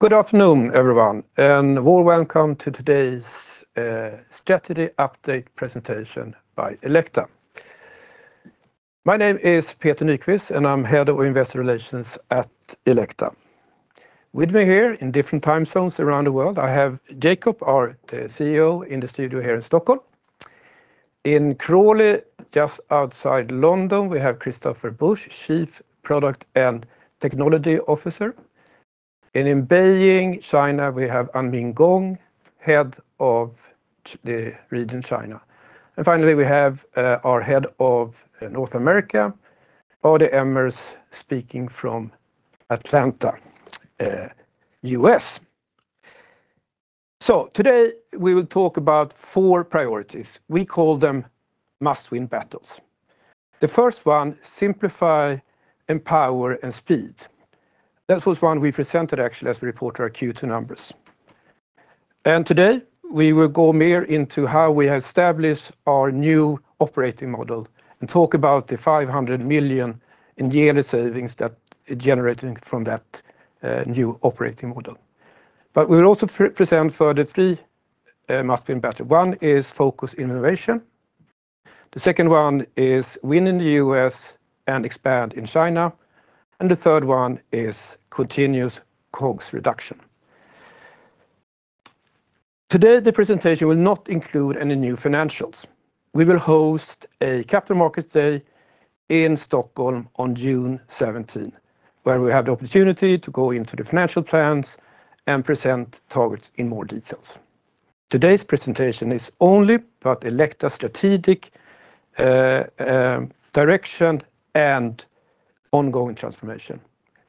Good afternoon, everyone, and warm welcome to today's strategy update presentation by Elekta. My name is Peter Nyquist, and I'm Head of Investor Relations at Elekta. With me here in different time zones around the world, I have Jakob, our the CEO, in the studio here in Stockholm. In Crawley, just outside London, we have Christopher Busch, Chief Product and Technology Officer. And in Beijing, China, we have Anming Gong, Head of Region China. And finally, we have our H.ead of North America, Ardie Ermers, speaking from Atlanta, U.S. So today, we will talk about four priorities. We call them must-win battles. The first one, simplify, empower, and speed. That was one we presented actually as we reported our Q2 numbers. Today, we will go more into how we establish our new operating model and talk about the 500 million in yearly savings that is generating from that new operating model. We will also present for the 3 must-win battle. One is Focused Innovation, the second one is win in the US and expand in China, and the third one is continuous COGS reduction. Today, the presentation will not include any new financials. We will host a Capital Markets Day in Stockholm on June 17, where we have the opportunity to go into the financial plans and present targets in more details. Today's presentation is only about Elekta strategic direction and ongoing transformation.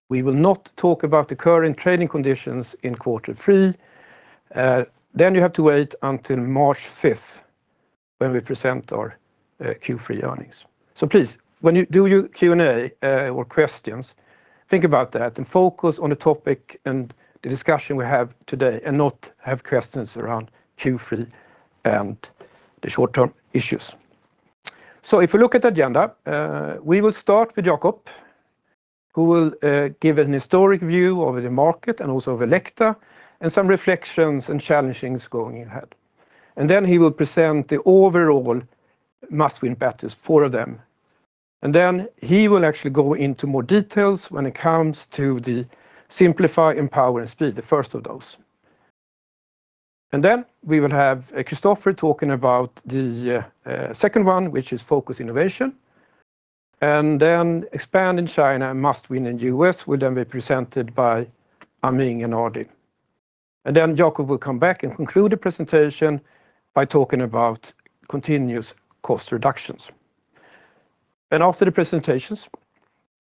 We will not talk about the current trading conditions in quarter three. Then you have to wait until March 5 when we present our Q3 earnings. So please, when you do your Q&A, or questions, think about that and focus on the topic and the discussion we have today, and not have questions around Q3 and the short-term issues. So if you look at the agenda, we will start with Jakob, who will give an historic view of the market and also of Elekta, and some reflections and challenges going ahead. And then he will present the overall must-win battles, four of them. And then he will actually go into more details when it comes to the simplify, empower, and speed, the first of those. And then we will have Christopher talking about the second one, which is Focused Innovation. And then expand in China and must win in U.S. will then be presented by Anming and Ardie. And then Jakob will come back and conclude the presentation by talking about continuous cost reductions. After the presentations,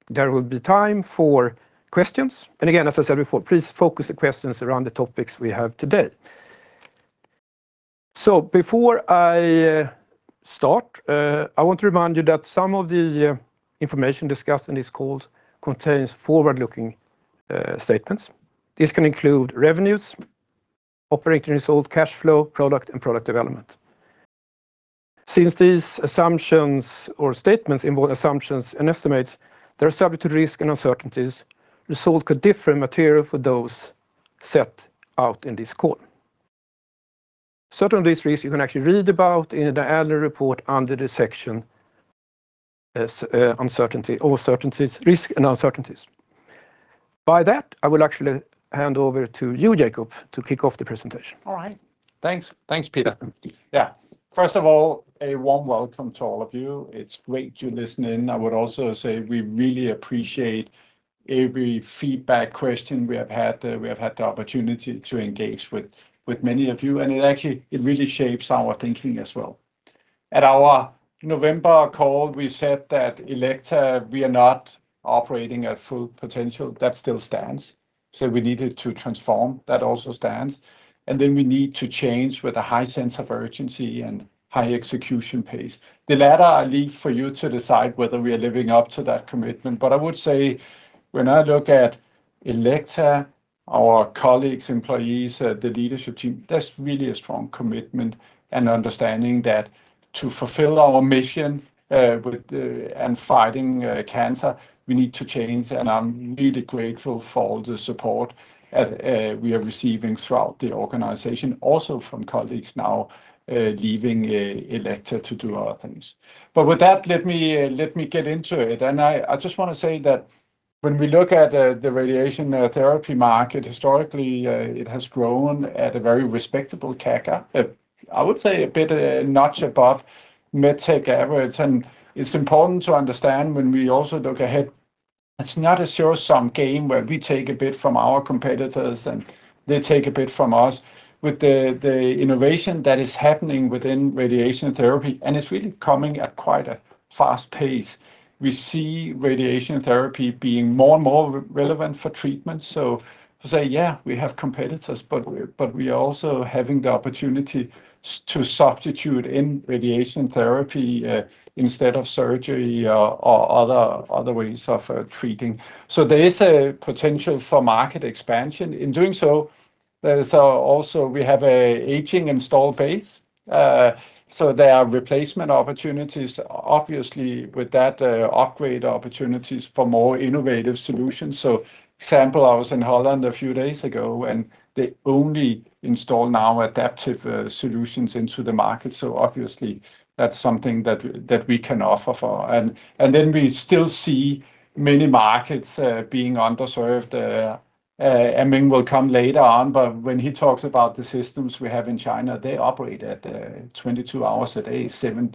there will be time for questions. Again, as I said before, please focus the questions around the topics we have today. So before I start, I want to remind you that some of the information discussed in this call contains forward-looking statements. This can include revenues, operating result, cash flow, product, and product development. Since these assumptions or statements involve assumptions and estimates that are subject to risk and uncertainties, results could differ materially from those set out in this call. Some of these risks you can actually read about in the annual report under the section uncertainty or certainties, risk and uncertainties. By that, I will actually hand over to you, Jakob, to kick off the presentation. All right. Thanks. Thanks, Peter. Yeah. First of all, a warm welcome to all of you. It's great you're listening. I would also say we really appreciate every feedback question we have had. We have had the opportunity to engage with, with many of you, and it actually, it really shapes our thinking as well. At our November call, we said that Elekta, we are not operating at full potential. That still stands. So we needed to transform, that also stands. And then we need to change with a high sense of urgency and high execution pace. The latter, I leave for you to decide whether we are living up to that commitment. But I would say when I look at Elekta, our colleagues, employees, the leadership team, there's really a strong commitment and understanding that to fulfill our mission, with the... and fighting cancer, we need to change, and I'm really grateful for all the support we are receiving throughout the organization, also from colleagues now leaving Elekta to do other things. But with that, let me get into it. I just want to say that when we look at the radiation therapy market, historically, it has grown at a very respectable CAGR. I would say a bit notch above MedTech average, and it's important to understand when we also look ahead, it's not a zero-sum game where we take a bit from our competitors, and they take a bit from us. With the innovation that is happening within radiation therapy, and it's really coming at quite a fast pace, we see radiation therapy being more and more relevant for treatment. So, to say, yeah, we have competitors, but we are also having the opportunity to substitute in radiation therapy instead of surgery or other ways of treating. So there is a potential for market expansion. In doing so, there is also we have an aging installed base, so there are replacement opportunities. Obviously, with that, upgrade opportunities for more innovative solutions. So example, I was in Holland a few days ago, and they only install now adaptive solutions into the market. So obviously, that's something that we can offer for. And then we still see many markets being underserved. And Ming will come later on, but when he talks about the systems we have in China, they operate at 22 hours a day, 7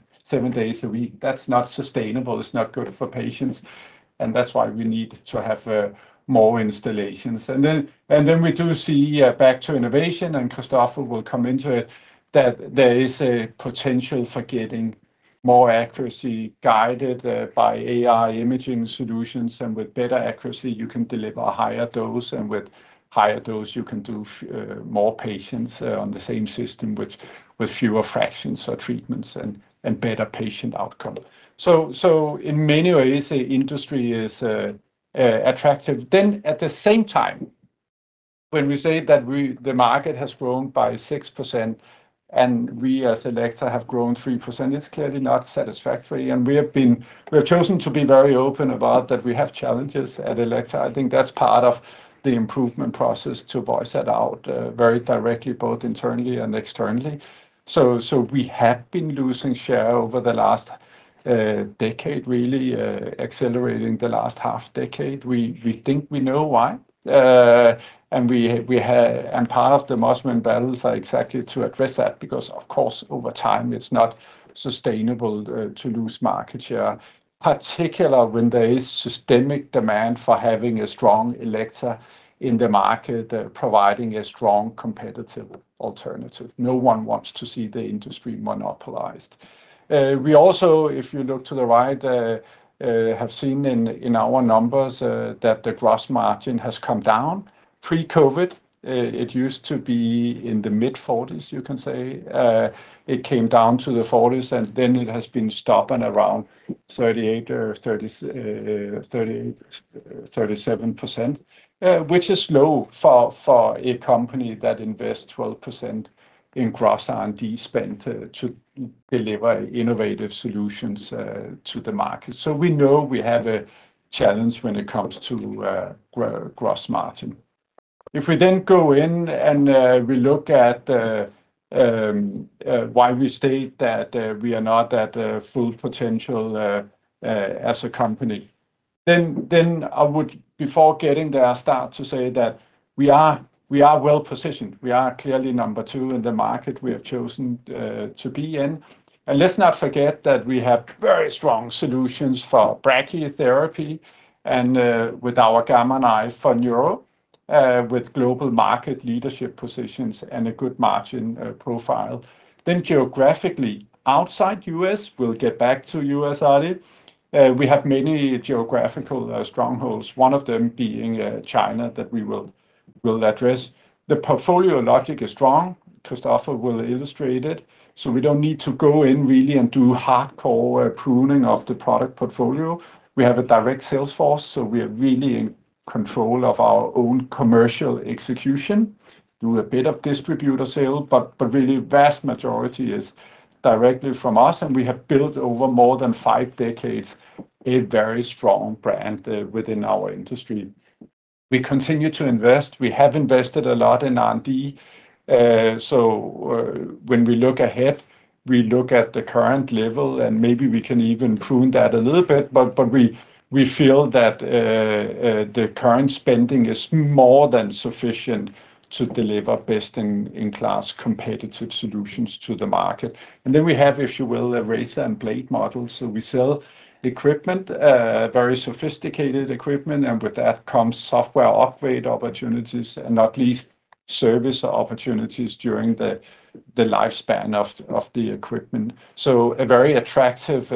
days a week. That's not sustainable. It's not good for patients, and that's why we need to have more installations. And then we do see, back to innovation, and Christopher will come into it, that there is a potential for getting more accuracy guided by AI imaging solutions. And with better accuracy, you can deliver a higher dose, and with higher dose, you can do more patients on the same system, which with fewer fractions or treatments and better patient outcome. So in many ways, the industry is attractive. Then, at the same time, when we say that we—the market has grown by 6%, and we as Elekta have grown 3%, it's clearly not satisfactory. And we have been... We have chosen to be very open about that we have challenges at Elekta. I think that's part of the improvement process, to voice that out, very directly, both internally and externally. So we have been losing share over the last decade, really, accelerating the last half decade. We think we know why. And part of the must-win battles are exactly to address that, because, of course, over time, it's not sustainable, to lose market share, particularly when there is systemic demand for having a strong Elekta in the market, providing a strong competitive alternative. No one wants to see the industry monopolized. We also, if you look to the right, have seen in our numbers, that the gross margin has come down. Pre-COVID, it used to be in the mid-forties, you can say. It came down to the 40s, and then it has been stuck around 38 or 37%, which is low for, for a company that invests 12% in gross R&D spend to, to deliver innovative solutions, to the market. So we know we have a challenge when it comes to, gross margin. If we then go in and, we look at the, why we state that, we are not at, full potential, as a company, then, then I would, before getting there, I start to say that we are, we are well positioned. We are clearly number two in the market we have chosen, to be in. Let's not forget that we have very strong solutions for brachytherapy and, with our Gamma Knife for neuro, with global market leadership positions and a good margin profile. Then geographically, outside U.S., we'll get back to U.S., Ardie, we have many geographical strongholds, one of them being China, that we will, we will address. The portfolio logic is strong. Christopher will illustrate it, so we don't need to go in really and do hardcore pruning of the product portfolio. We have a direct sales force, so we are really in control of our own commercial execution. Do a bit of distributor sale, but really vast majority is directly from us, and we have built over more than five decades, a very strong brand within our industry. We continue to invest. We have invested a lot in R&D. When we look ahead, we look at the current level, and maybe we can even prune that a little bit, but we feel that the current spending is more than sufficient to deliver best-in-class competitive solutions to the market. And then we have, if you will, a razor and blade model. So we sell equipment, very sophisticated equipment, and with that comes software upgrade opportunities and not least, service opportunities during the lifespan of the equipment. So a very attractive,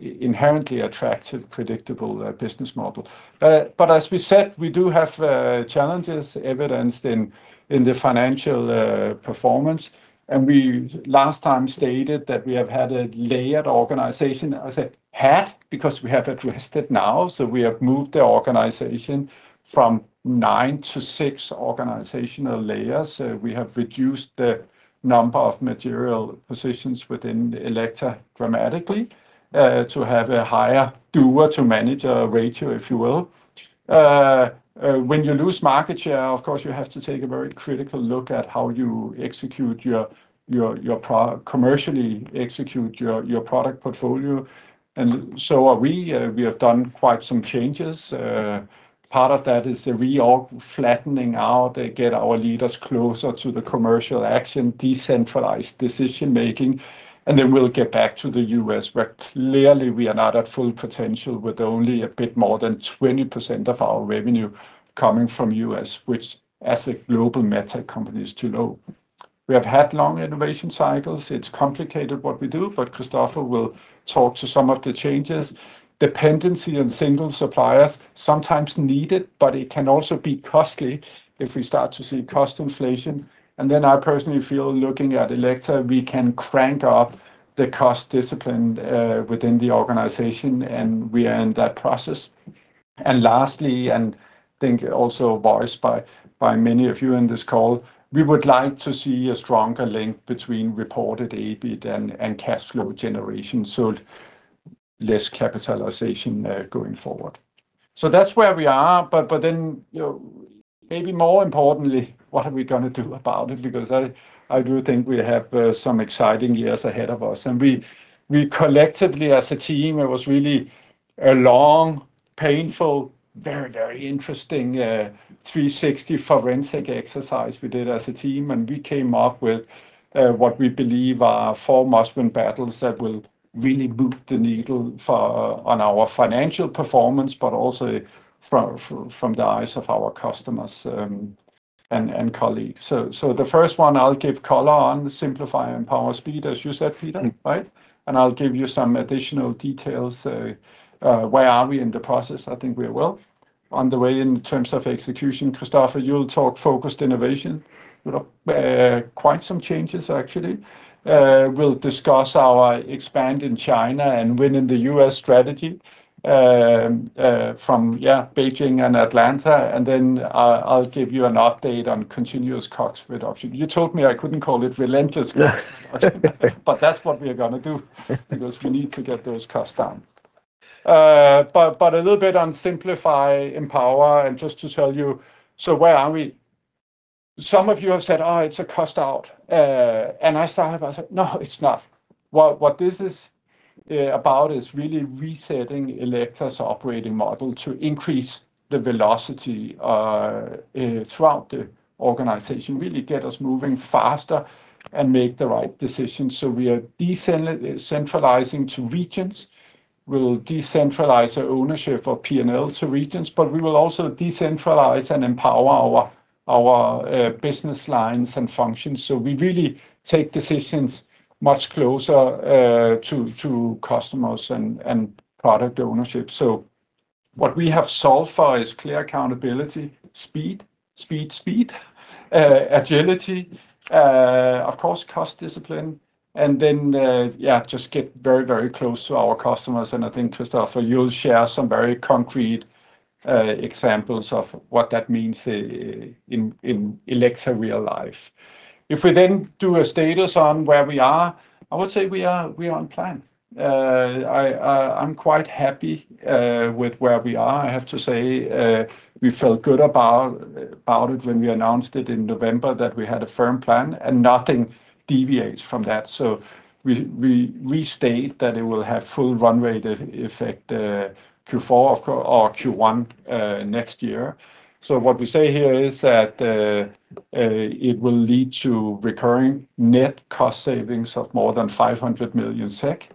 inherently attractive, predictable business model. But as we said, we do have challenges evidenced in the financial performance, and we last time stated that we have had a layered organization. I said, "had," because we have addressed it now. So we have moved the organization from nine to six organizational layers. We have reduced the number of material positions within Elekta dramatically, to have a higher doer-to-manager ratio, if you will. When you lose market share, of course, you have to take a very critical look at how you execute your commercially execute your product portfolio. And so are we. We have done quite some changes. Part of that is the reorg, flattening out, get our leaders closer to the commercial action, decentralized decision-making, and then we'll get back to the U.S., where clearly we are not at full potential, with only a bit more than 20% of our revenue coming from U.S., which as a global med tech company is too low. We have had long innovation cycles. It's complicated what we do, but Christopher will talk to some of the changes. Dependency on single suppliers, sometimes needed, but it can also be costly if we start to see cost inflation. And then I personally feel, looking at Elekta, we can crank up the cost discipline within the organization, and we are in that process... And lastly, and I think also voiced by many of you on this call, we would like to see a stronger link between reported EBIT and cash flow generation, so less capitalization going forward. So that's where we are. But then, you know, maybe more importantly, what are we gonna do about it? Because I do think we have some exciting years ahead of us. And we collectively as a team, it was really a long, painful, very, very interesting, 360 forensic exercise we did as a team, and we came up with what we believe are 4 must-win battles that will really move the needle for- on our financial performance, but also from the eyes of our customers, and colleagues. So the first one I'll give color on, simplify and power speed, as you said, Peter, right? And I'll give you some additional details. So where are we in the process? I think we are well on the way in terms of execution. Christopher, you'll talk focused innovation. Quite some changes, actually. We'll discuss our expand in China and win in the U.S. strategy from Beijing and Atlanta, and then I'll give you an update on continuous cost reduction. You told me I couldn't call it relentless cost. Yeah. But that's what we are gonna do, because we need to get those costs down. But a little bit on simplify, empower, and just to tell you, so where are we? Some of you have said, "Oh, it's a cost out." And I started, I said, "No, it's not." What this is about is really resetting Elekta's operating model to increase the velocity throughout the organization, really get us moving faster and make the right decisions. So we are decentralizing to regions. We'll decentralize our ownership of P&L to regions, but we will also decentralize and empower our business lines and functions. So we really take decisions much closer to customers and product ownership. So what we have solved for is clear accountability, speed, speed, speed, agility, of course, cost discipline, and then, yeah, just get very, very close to our customers. And I think, Christopher, you'll share some very concrete, examples of what that means, in Elekta real life. If we then do a status on where we are, I would say we are on plan. I'm quite happy with where we are. I have to say, we felt good about it when we announced it in November, that we had a firm plan, and nothing deviates from that. So we restate that it will have full runway effect, Q4 of or Q1, next year. So what we say here is that it will lead to recurring net cost savings of more than 500 million SEK.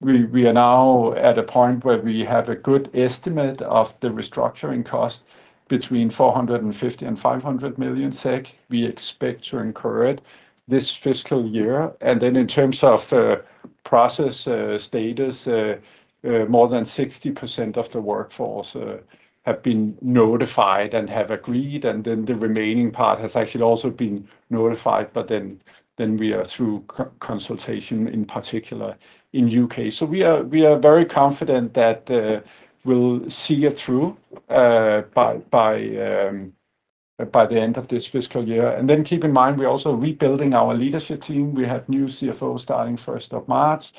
We are now at a point where we have a good estimate of the restructuring cost between 450 million and 500 million SEK, we expect to incur it this fiscal year. And then in terms of process status, more than 60% of the workforce have been notified and have agreed, and then the remaining part has actually also been notified, but then we are through co-consultation, in particular in UK. So we are very confident that we'll see it through by the end of this fiscal year. And then keep in mind, we're also rebuilding our leadership team. We have new CFO starting first of March.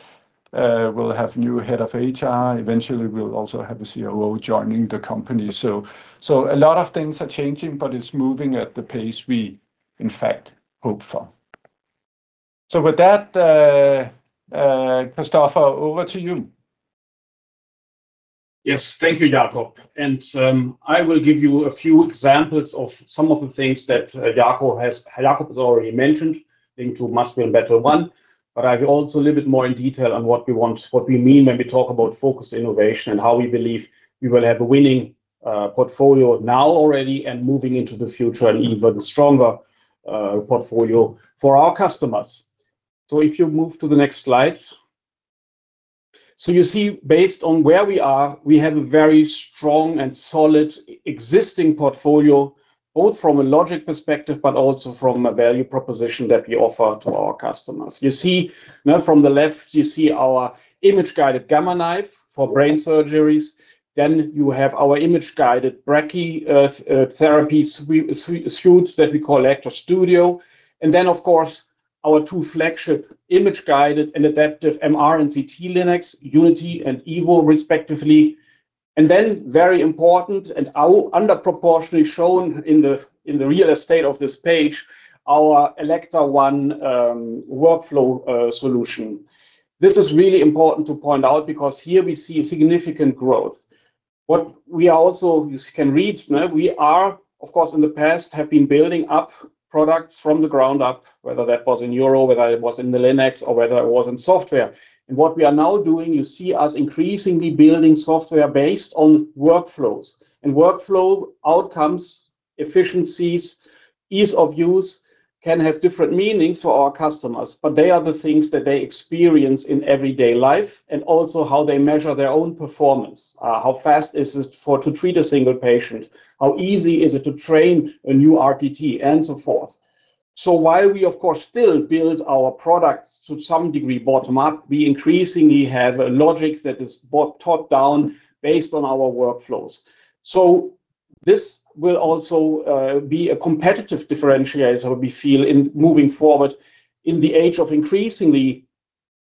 We'll have new Head of HR. Eventually, we'll also have a COO joining the company. So, a lot of things are changing, but it's moving at the pace we, in fact, hope for. So with that, Christopher, over to you. Yes. Thank you, Jakob. I will give you a few examples of some of the things that Jakob has already mentioned, into Must-Win Battle 1. I'll go also a little bit more in detail on what we want—what we mean when we talk about focused innovation, and how we believe we will have a winning portfolio now already, and moving into the future, an even stronger portfolio for our customers. If you move to the next slide. You see, based on where we are, we have a very strong and solid existing portfolio, both from a logic perspective, but also from a value proposition that we offer to our customers. You see, now from the left, you see our image-guided Gamma Knife for brain surgeries, then you have our image-guided brachytherapy suite that we call Elekta Studio, and then, of course, our two flagship image-guided and adaptive MR and CT Linacs, Unity and Evo respectively. Very important, our under proportionally shown in the real estate of this page, our Elekta ONE workflow solution. This is really important to point out because here we see a significant growth. What we are also, you can read, now, we are, of course, in the past, have been building up products from the ground up, whether that was in Euro, whether it was in the Linacs, or whether it was in software. What we are now doing, you see us increasingly building software based on workflows. Workflow outcomes, efficiencies, ease of use can have different meanings for our customers, but they are the things that they experience in everyday life, and also how they measure their own performance. How fast is it for to treat a single patient? How easy is it to train a new RTT, and so forth? So while we of course still build our products to some degree bottom-up, we increasingly have a logic that is top-down based on our workflows. So this will also be a competitive differentiator, we feel, in moving forward in the age of increasingly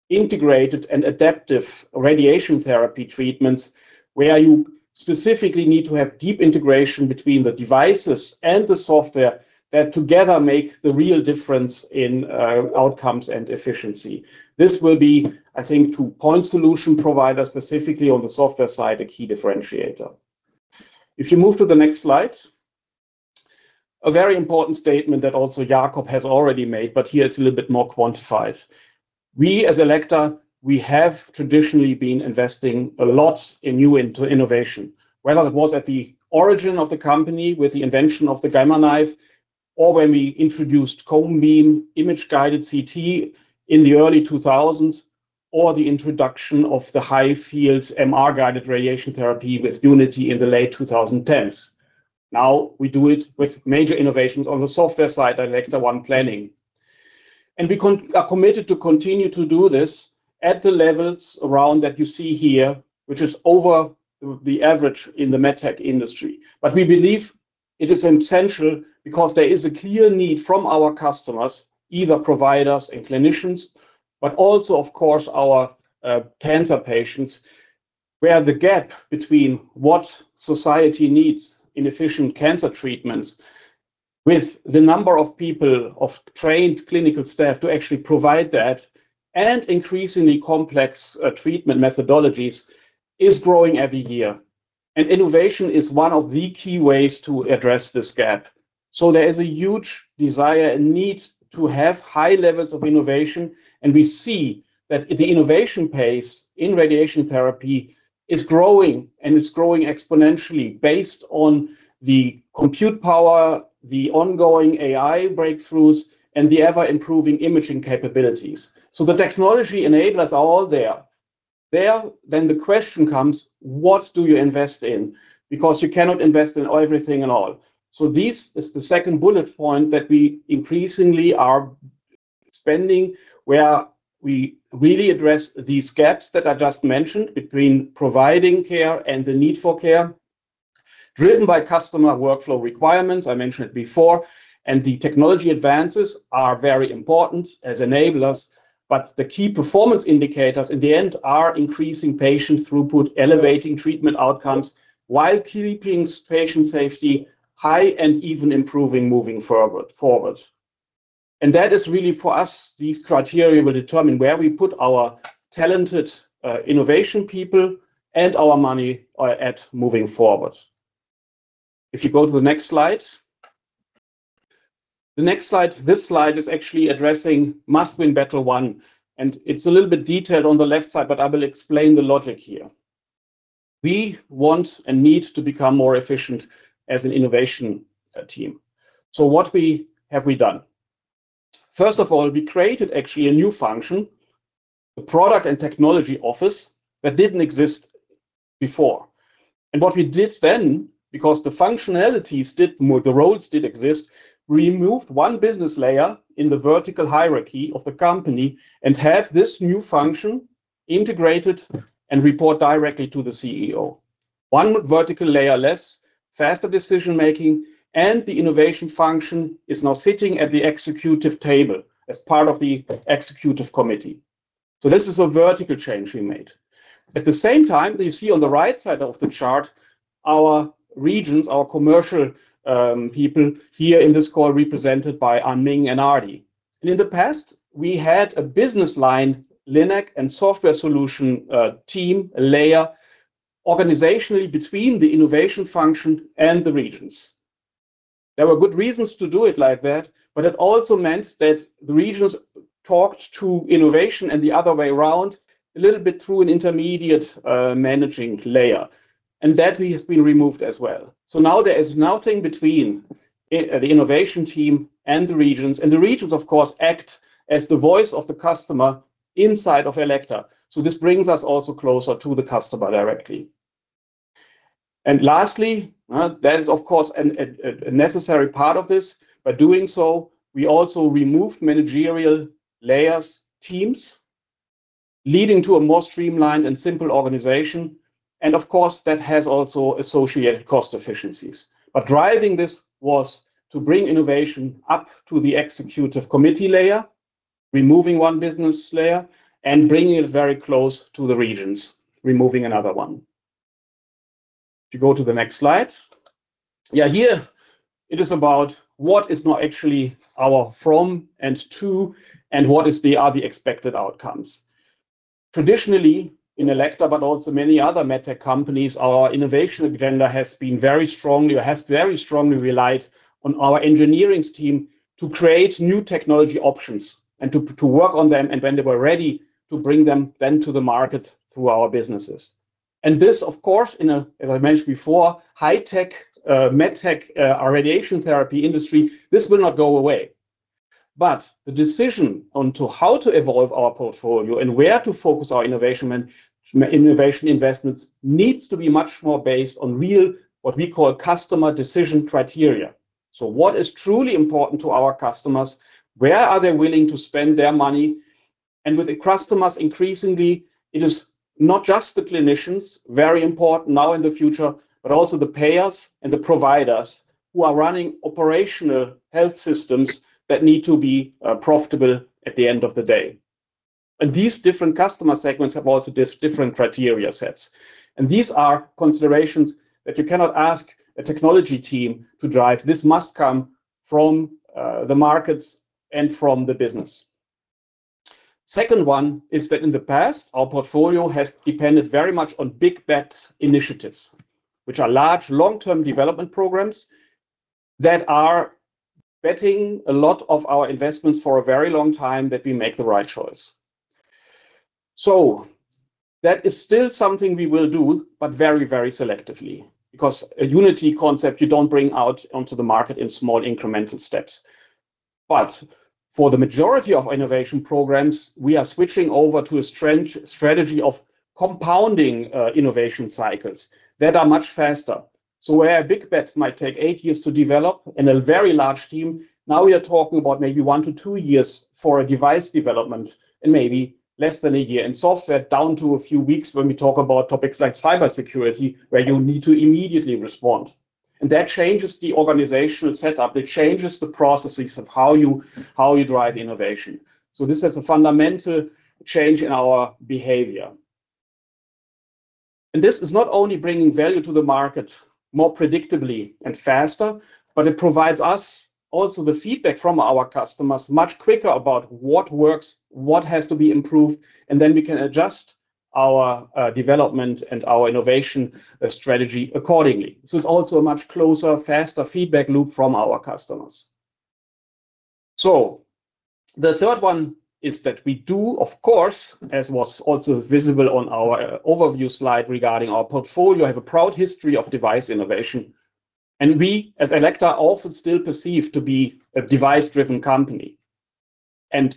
integrated and adaptive radiation therapy treatments, where you specifically need to have deep integration between the devices and the software that together make the real difference in outcomes and efficiency. This will be, I think, to point solution provider, specifically on the software side, a key differentiator. If you move to the next slide. A very important statement that also Jakob has already made, but here it's a little bit more quantified. We as Elekta, we have traditionally been investing a lot in new innovation, whether it was at the origin of the company with the invention of the Gamma Knife, or when we introduced cone beam image guided CT in the early 2000s, or the introduction of the high fields MR Guided Radiation Therapy with Unity in the late 2010s. Now we do it with major innovations on the software side, Elekta ONE planning. And we are committed to continue to do this at the levels around that you see here, which is over the average in the MedTech industry. But we believe it is essential because there is a clear need from our customers, either providers and clinicians, but also, of course, our, cancer patients, where the gap between what society needs in efficient cancer treatments with the number of people, of trained clinical staff, to actually provide that and increasingly complex, treatment methodologies, is growing every year, and innovation is one of the key ways to address this gap. So there is a huge desire and need to have high levels of innovation, and we see that the innovation pace in radiation therapy is growing, and it's growing exponentially based on the compute power, the ongoing AI breakthroughs, and the ever-improving imaging capabilities. So the technology enablers are all there. There, then the question comes, what do you invest in? Because you cannot invest in everything and all. So this is the second bullet point, that we increasingly are spending, where we really address these gaps that I just mentioned between providing care and the need for care, driven by customer workflow requirements, I mentioned it before, and the technology advances are very important as enablers, but the key performance indicators in the end, are increasing patient throughput, elevating treatment outcomes, while keeping patient safety high and even improving, moving forward, forward. And that is really for us. These criteria will determine where we put our talented innovation people and our money are at moving forward. If you go to the next slide. The next slide. This slide is actually addressing must-win battle one, and it's a little bit detailed on the left side, but I will explain the logic here. We want and need to become more efficient as an innovation team. So what have we done? First of all, we created actually a new function, the Product and Technology Office, that didn't exist before. And what we did then, because the functionalities did, the roles did exist, removed one business layer in the vertical hierarchy of the company and have this new function integrated and report directly to the CEO. One vertical layer less, faster decision-making, and the innovation function is now sitting at the executive table as part of the Executive Committee. So this is a vertical change we made. At the same time, you see on the right side of the chart, our regions, our commercial people here in this call, represented by Anming and Ardie. And in the past, we had a business line, LINAC and software solution team, a layer organizationally between the innovation function and the regions. There were good reasons to do it like that, but it also meant that the regions talked to innovation and the other way around, a little bit through an intermediate, managing layer, and that has been removed as well. So now there is nothing between the innovation team and the regions, and the regions, of course, act as the voice of the customer inside of Elekta. So this brings us also closer to the customer directly. And lastly, that is, of course, a necessary part of this. By doing so, we also removed managerial layers, teams, leading to a more streamlined and simple organization, and of course, that has also associated cost efficiencies. But driving this was to bring innovation up to the Executive Committee layer, removing one business layer, and bringing it very close to the regions, removing another one. If you go to the next slide. Yeah, here it is about what is now actually our from and to, and what is the, are the expected outcomes. Traditionally, in Elekta, but also many other MedTech companies, our innovation agenda has been very strongly or has very strongly relied on our engineering team to create new technology options and to, to work on them, and when they were ready, to bring them then to the market, through our businesses. And this, of course, in a, as I mentioned before, high tech, MedTech, radiation therapy industry, this will not go away. But the decision on to how to evolve our portfolio and where to focus our innovation and innovation investments, needs to be much more based on real, what we call customer decision criteria. So what is truly important to our customers? Where are they willing to spend their money?... and with the customers increasingly, it is not just the clinicians, very important now in the future, but also the payers and the providers who are running operational health systems that need to be profitable at the end of the day. And these different customer segments have also different criteria sets, and these are considerations that you cannot ask a technology team to drive. This must come from the markets and from the business. Second one is that in the past, our portfolio has depended very much on big bet initiatives, which are large, long-term development programs that are betting a lot of our investments for a very long time that we make the right choice. So that is still something we will do, but very, very selectively, because a unity concept you don't bring out onto the market in small, incremental steps. But for the majority of innovation programs, we are switching over to a strategy of compounding innovation cycles that are much faster. So where a big bet might take 8 years to develop and a very large team, now we are talking about maybe 1-2 years for a device development and maybe less than a year in software, down to a few weeks when we talk about topics like cybersecurity, where you need to immediately respond. And that changes the organizational set up, it changes the processes of how you drive innovation. So this is a fundamental change in our behavior. This is not only bringing value to the market more predictably and faster, but it provides us also the feedback from our customers much quicker about what works, what has to be improved, and then we can adjust our development and our innovation strategy accordingly. It's also a much closer, faster feedback loop from our customers. The third one is that we do, of course, as was also visible on our overview slide regarding our portfolio, have a proud history of device innovation, and we, as Elekta, are often still perceived to be a device-driven company.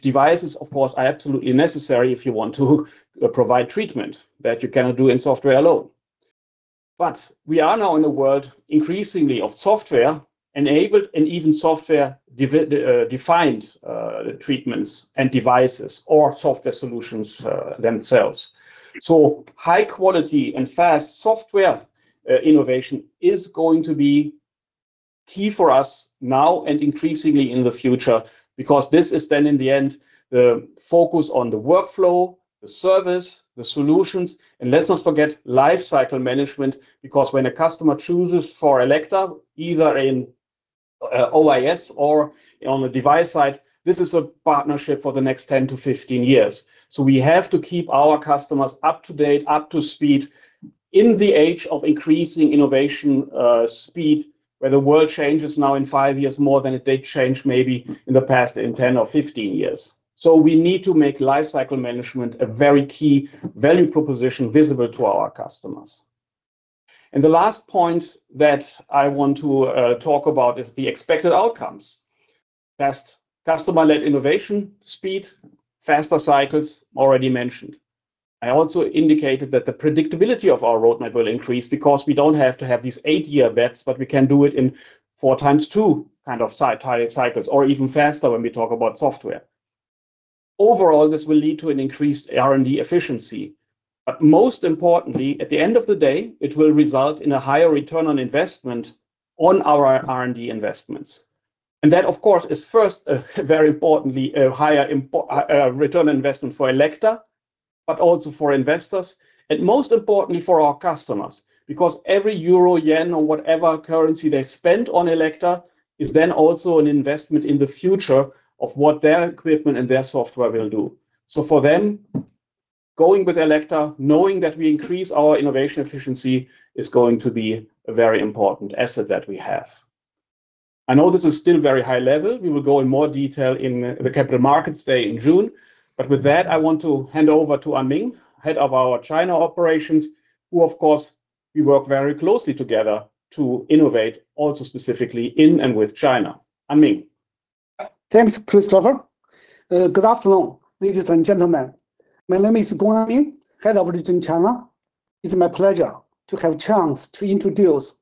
Devices, of course, are absolutely necessary if you want to provide treatment that you cannot do in software alone. But we are now in a world increasingly of software-enabled and even software defined treatments and devices or software solutions themselves. So high quality and fast software innovation is going to be key for us now and increasingly in the future, because this is then in the end, the focus on the workflow, the service, the solutions, and let's not forget life cycle management, because when a customer chooses for Elekta, either in OIS or on the device side, this is a partnership for the next 10-15 years. So we have to keep our customers up to date, up to speed in the age of increasing innovation speed, where the world changes now in 5 years, more than it did change maybe in the past, in 10 or 15 years. So we need to make life cycle management a very key value proposition visible to our customers. And the last point that I want to talk about is the expected outcomes. Best customer-led innovation, speed, faster cycles, already mentioned. I also indicated that the predictability of our roadmap will increase because we don't have to have these 8-year bets, but we can do it in 4 times 2 kind of cycles, or even faster when we talk about software. Overall, this will lead to an increased R&D efficiency. But most importantly, at the end of the day, it will result in a higher return on investment on our R&D investments. And that, of course, is first, very importantly, a higher important return on investment for Elekta, but also for investors, and most importantly, for our customers. Because every euro, yen, or whatever currency they spend on Elekta is then also an investment in the future of what their equipment and their software will do. So for them, going with Elekta, knowing that we increase our innovation efficiency, is going to be a very important asset that we have. I know this is still very high level. We will go in more detail in the capital markets day in June, but with that, I want to hand over to Anming, head of our China operations, who, of course, we work very closely together to innovate, also specifically in and with China. Anming. Thanks, Christopher. Good afternoon, ladies and gentlemen. My name is Anming Gong, Head of Region China. It's my pleasure to have a chance to introduce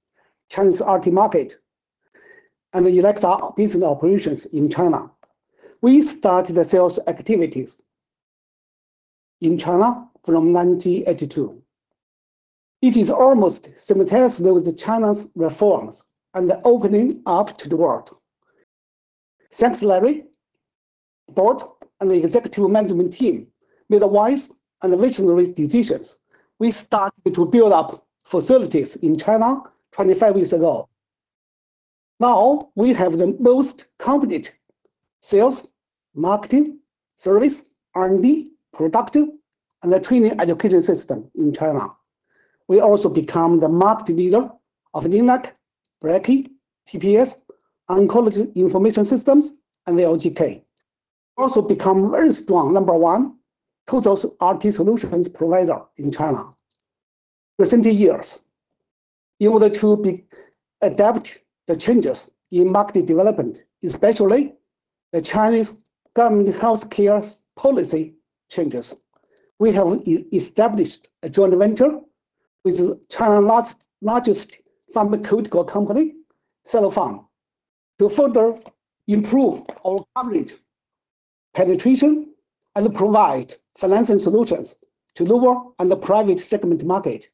Chinese RT market and the Elekta business operations in China. We started the sales activities in China from 1982. It is almost simultaneously with China's reforms and the opening up to the world. Thanks to Larry, board, and the executive management team, made a wise and visionary decisions. We started to build up facilities in China 25 years ago. Now, we have the most competent sales, marketing, service, R&D, productive, and the training education system in China. We also become the market leader of LINAC, brachy, TPS, Oncology Information Systems, and the LGK. Also become very strong number one, total RT solutions provider in China. recent years, in order to adapt to the changes in market development, especially the Chinese government healthcare policy changes, we have established a joint venture with China's largest pharmaceutical company, Sinopharm. To further improve our coverage, penetration, and provide financing solutions to lower and the private segment market,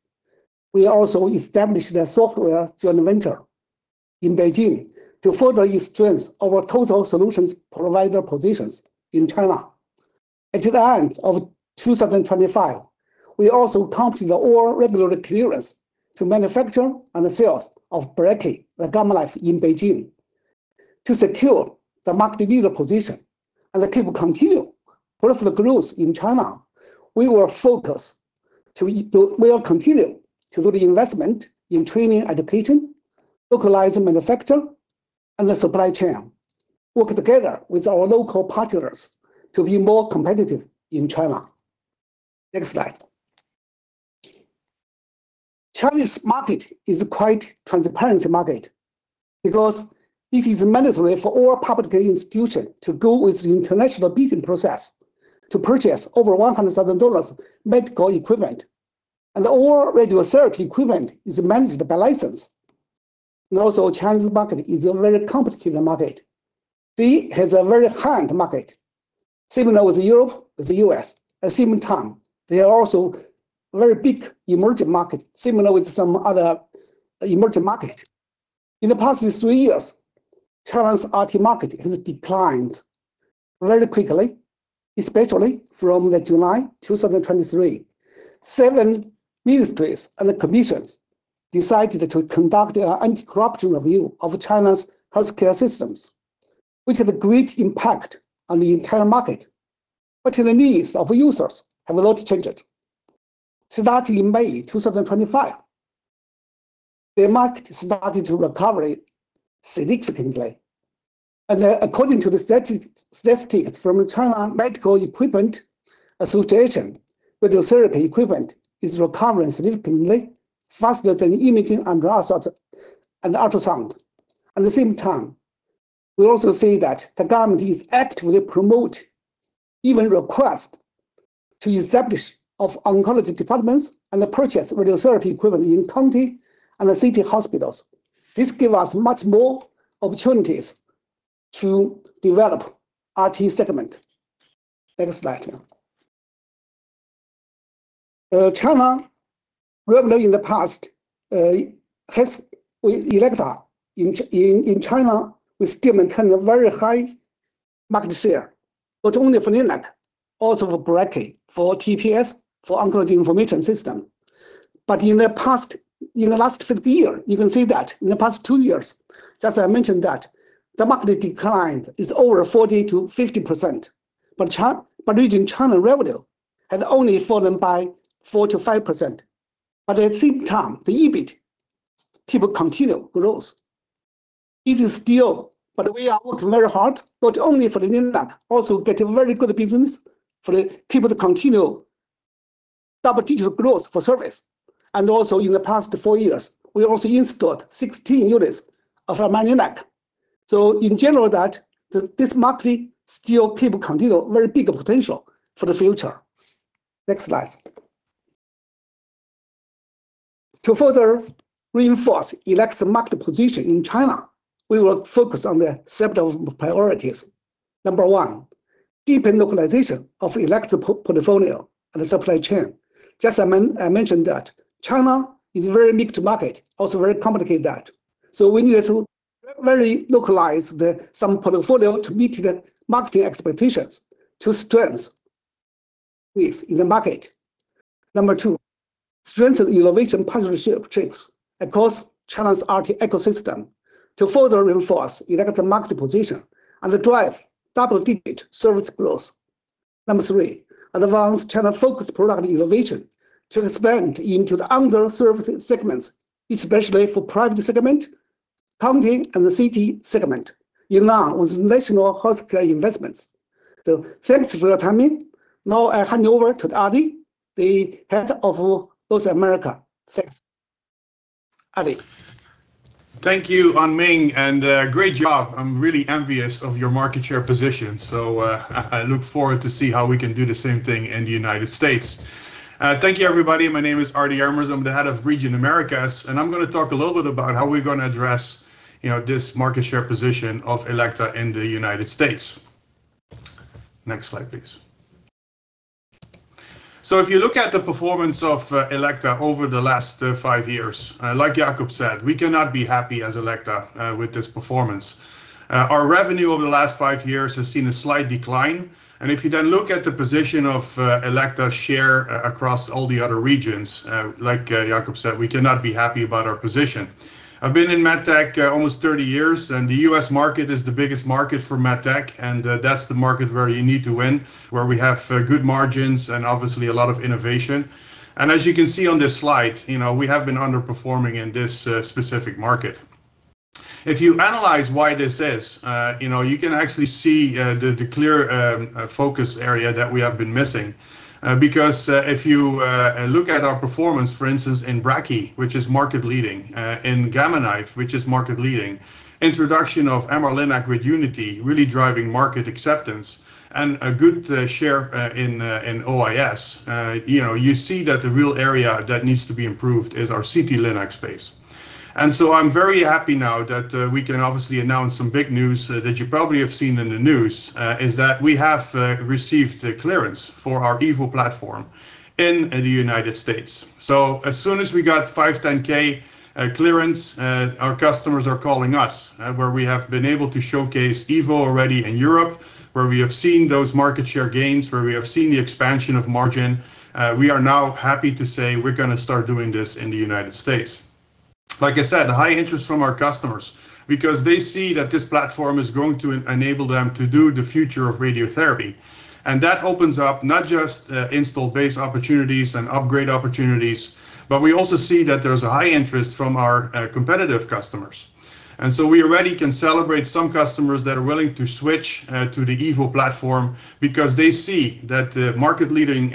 we also established a software joint venture in Beijing to further enhance our total solutions provider positions in China. At the end of 2025, we also completed all regulatory clearance to manufacture and the sales of brachy, the gamma knife in Beijing. To secure the market leader position and to continue profit growth in China, we will focus to, we will continue to do the investment in training, education, localized manufacturing, and the supply chain. Work together with our local partners to be more competitive in China. Next slide. Chinese market is a quite transparent market because it is mandatory for all public institution to go with the international bidding process to purchase over $100,000 medical equipment, and all radiotherapy equipment is managed by license. Also, Chinese market is a very competitive market. It has a very high-end market, similar with Europe, with the US. At the same time, they are also very big emerging market, similar with some other emerging markets. In the past three years, China's RT market has declined very quickly, especially from July 2023. Seven ministries and commissions decided to conduct an anti-corruption review of China's healthcare systems, which had a great impact on the entire market, but the needs of users have not changed. Starting in May 2025, the market started to recover significantly, and according to the statistics from China Medical Equipment Association, radiotherapy equipment is recovering significantly, faster than imaging and ultra- and ultrasound. At the same time, we also see that the government is actively promote, even request, to establish of oncology departments and purchase radiotherapy equipment in county and the city hospitals. This give us much more opportunities to develop RT segment. Next slide. China revenue in the past, has with Elekta in China, we still maintain a very high market share, but only for Linac, also for brachy, for TPS, for oncology information system. But in the past, in the last 50 years, you can see that in the past two years, just I mentioned that the market decline is over 40%-50%. But region China revenue had only fallen by 4%-5%, but at the same time, the EBIT keep continue growth. It is still, but we are working very hard, not only for the Linac, also getting very good business for the people to continue double-digit growth for service. And also, in the past 4 years, we also installed 16 units of our MR-Linac. So in general, that, this market still keep continue very big potential for the future. Next slide. To further reinforce Elekta's market position in China, we will focus on several priorities. Number one, deepen localization of Elekta portfolio and the supply chain. Just I mentioned that China is a very mixed market, also very complicated that, so we need to very localize some portfolio to meet the market expectations, to strengthen this in the market. Number two, strengthen innovation partnership chips across China's RT ecosystem to further reinforce Elekta's market position and drive double-digit service growth. Number three, advance China-focused product innovation to expand into the underserved segments, especially for private segment, county, and the city segment in line with national healthcare investments. So thanks for your time, now I hand over to Ardie, the head of North America. Thanks. Ardie? Thank you, Anming, and great job. I'm really envious of your market share position, so I look forward to see how we can do the same thing in the United States. Thank you, everybody. My name is Ardie Ermers. I'm the Head of Region Americas, and I'm gonna talk a little bit about how we're gonna address, you know, this market share position of Elekta in the United States. Next slide, please. So if you look at the performance of Elekta over the last five years, like Jakob said, we cannot be happy as Elekta with this performance. Our revenue over the last five years has seen a slight decline, and if you then look at the position of Elekta share across all the other regions, like Jakob said, we cannot be happy about our position. I've been in med tech almost 30 years, and the U.S. market is the biggest market for med tech, and that's the market where you need to win, where we have good margins and obviously a lot of innovation. As you can see on this slide, you know, we have been underperforming in this specific market. If you analyze why this is, you know, you can actually see the clear focus area that we have been missing. Because if you look at our performance, for instance, in brachy, which is market leading, in Gamma Knife, which is market leading, introduction of MR-Linac with Unity, really driving market acceptance and a good share in OIS. You know, you see that the real area that needs to be improved is our CT Linac space. And so I'm very happy now that we can obviously announce some big news that you probably have seen in the news is that we have received the clearance for our Evo platform in the United States. So as soon as we got 510(k) clearance, our customers are calling us, where we have been able to showcase Evo already in Europe, where we have seen those market share gains, where we have seen the expansion of margin. We are now happy to say we're gonna start doing this in the United States. Like I said, high interest from our customers because they see that this platform is going to enable them to do the future of radiotherapy. That opens up not just install base opportunities and upgrade opportunities, but we also see that there's a high interest from our competitive customers. And so we already can celebrate some customers that are willing to switch to the Evo platform, because they see that the market leading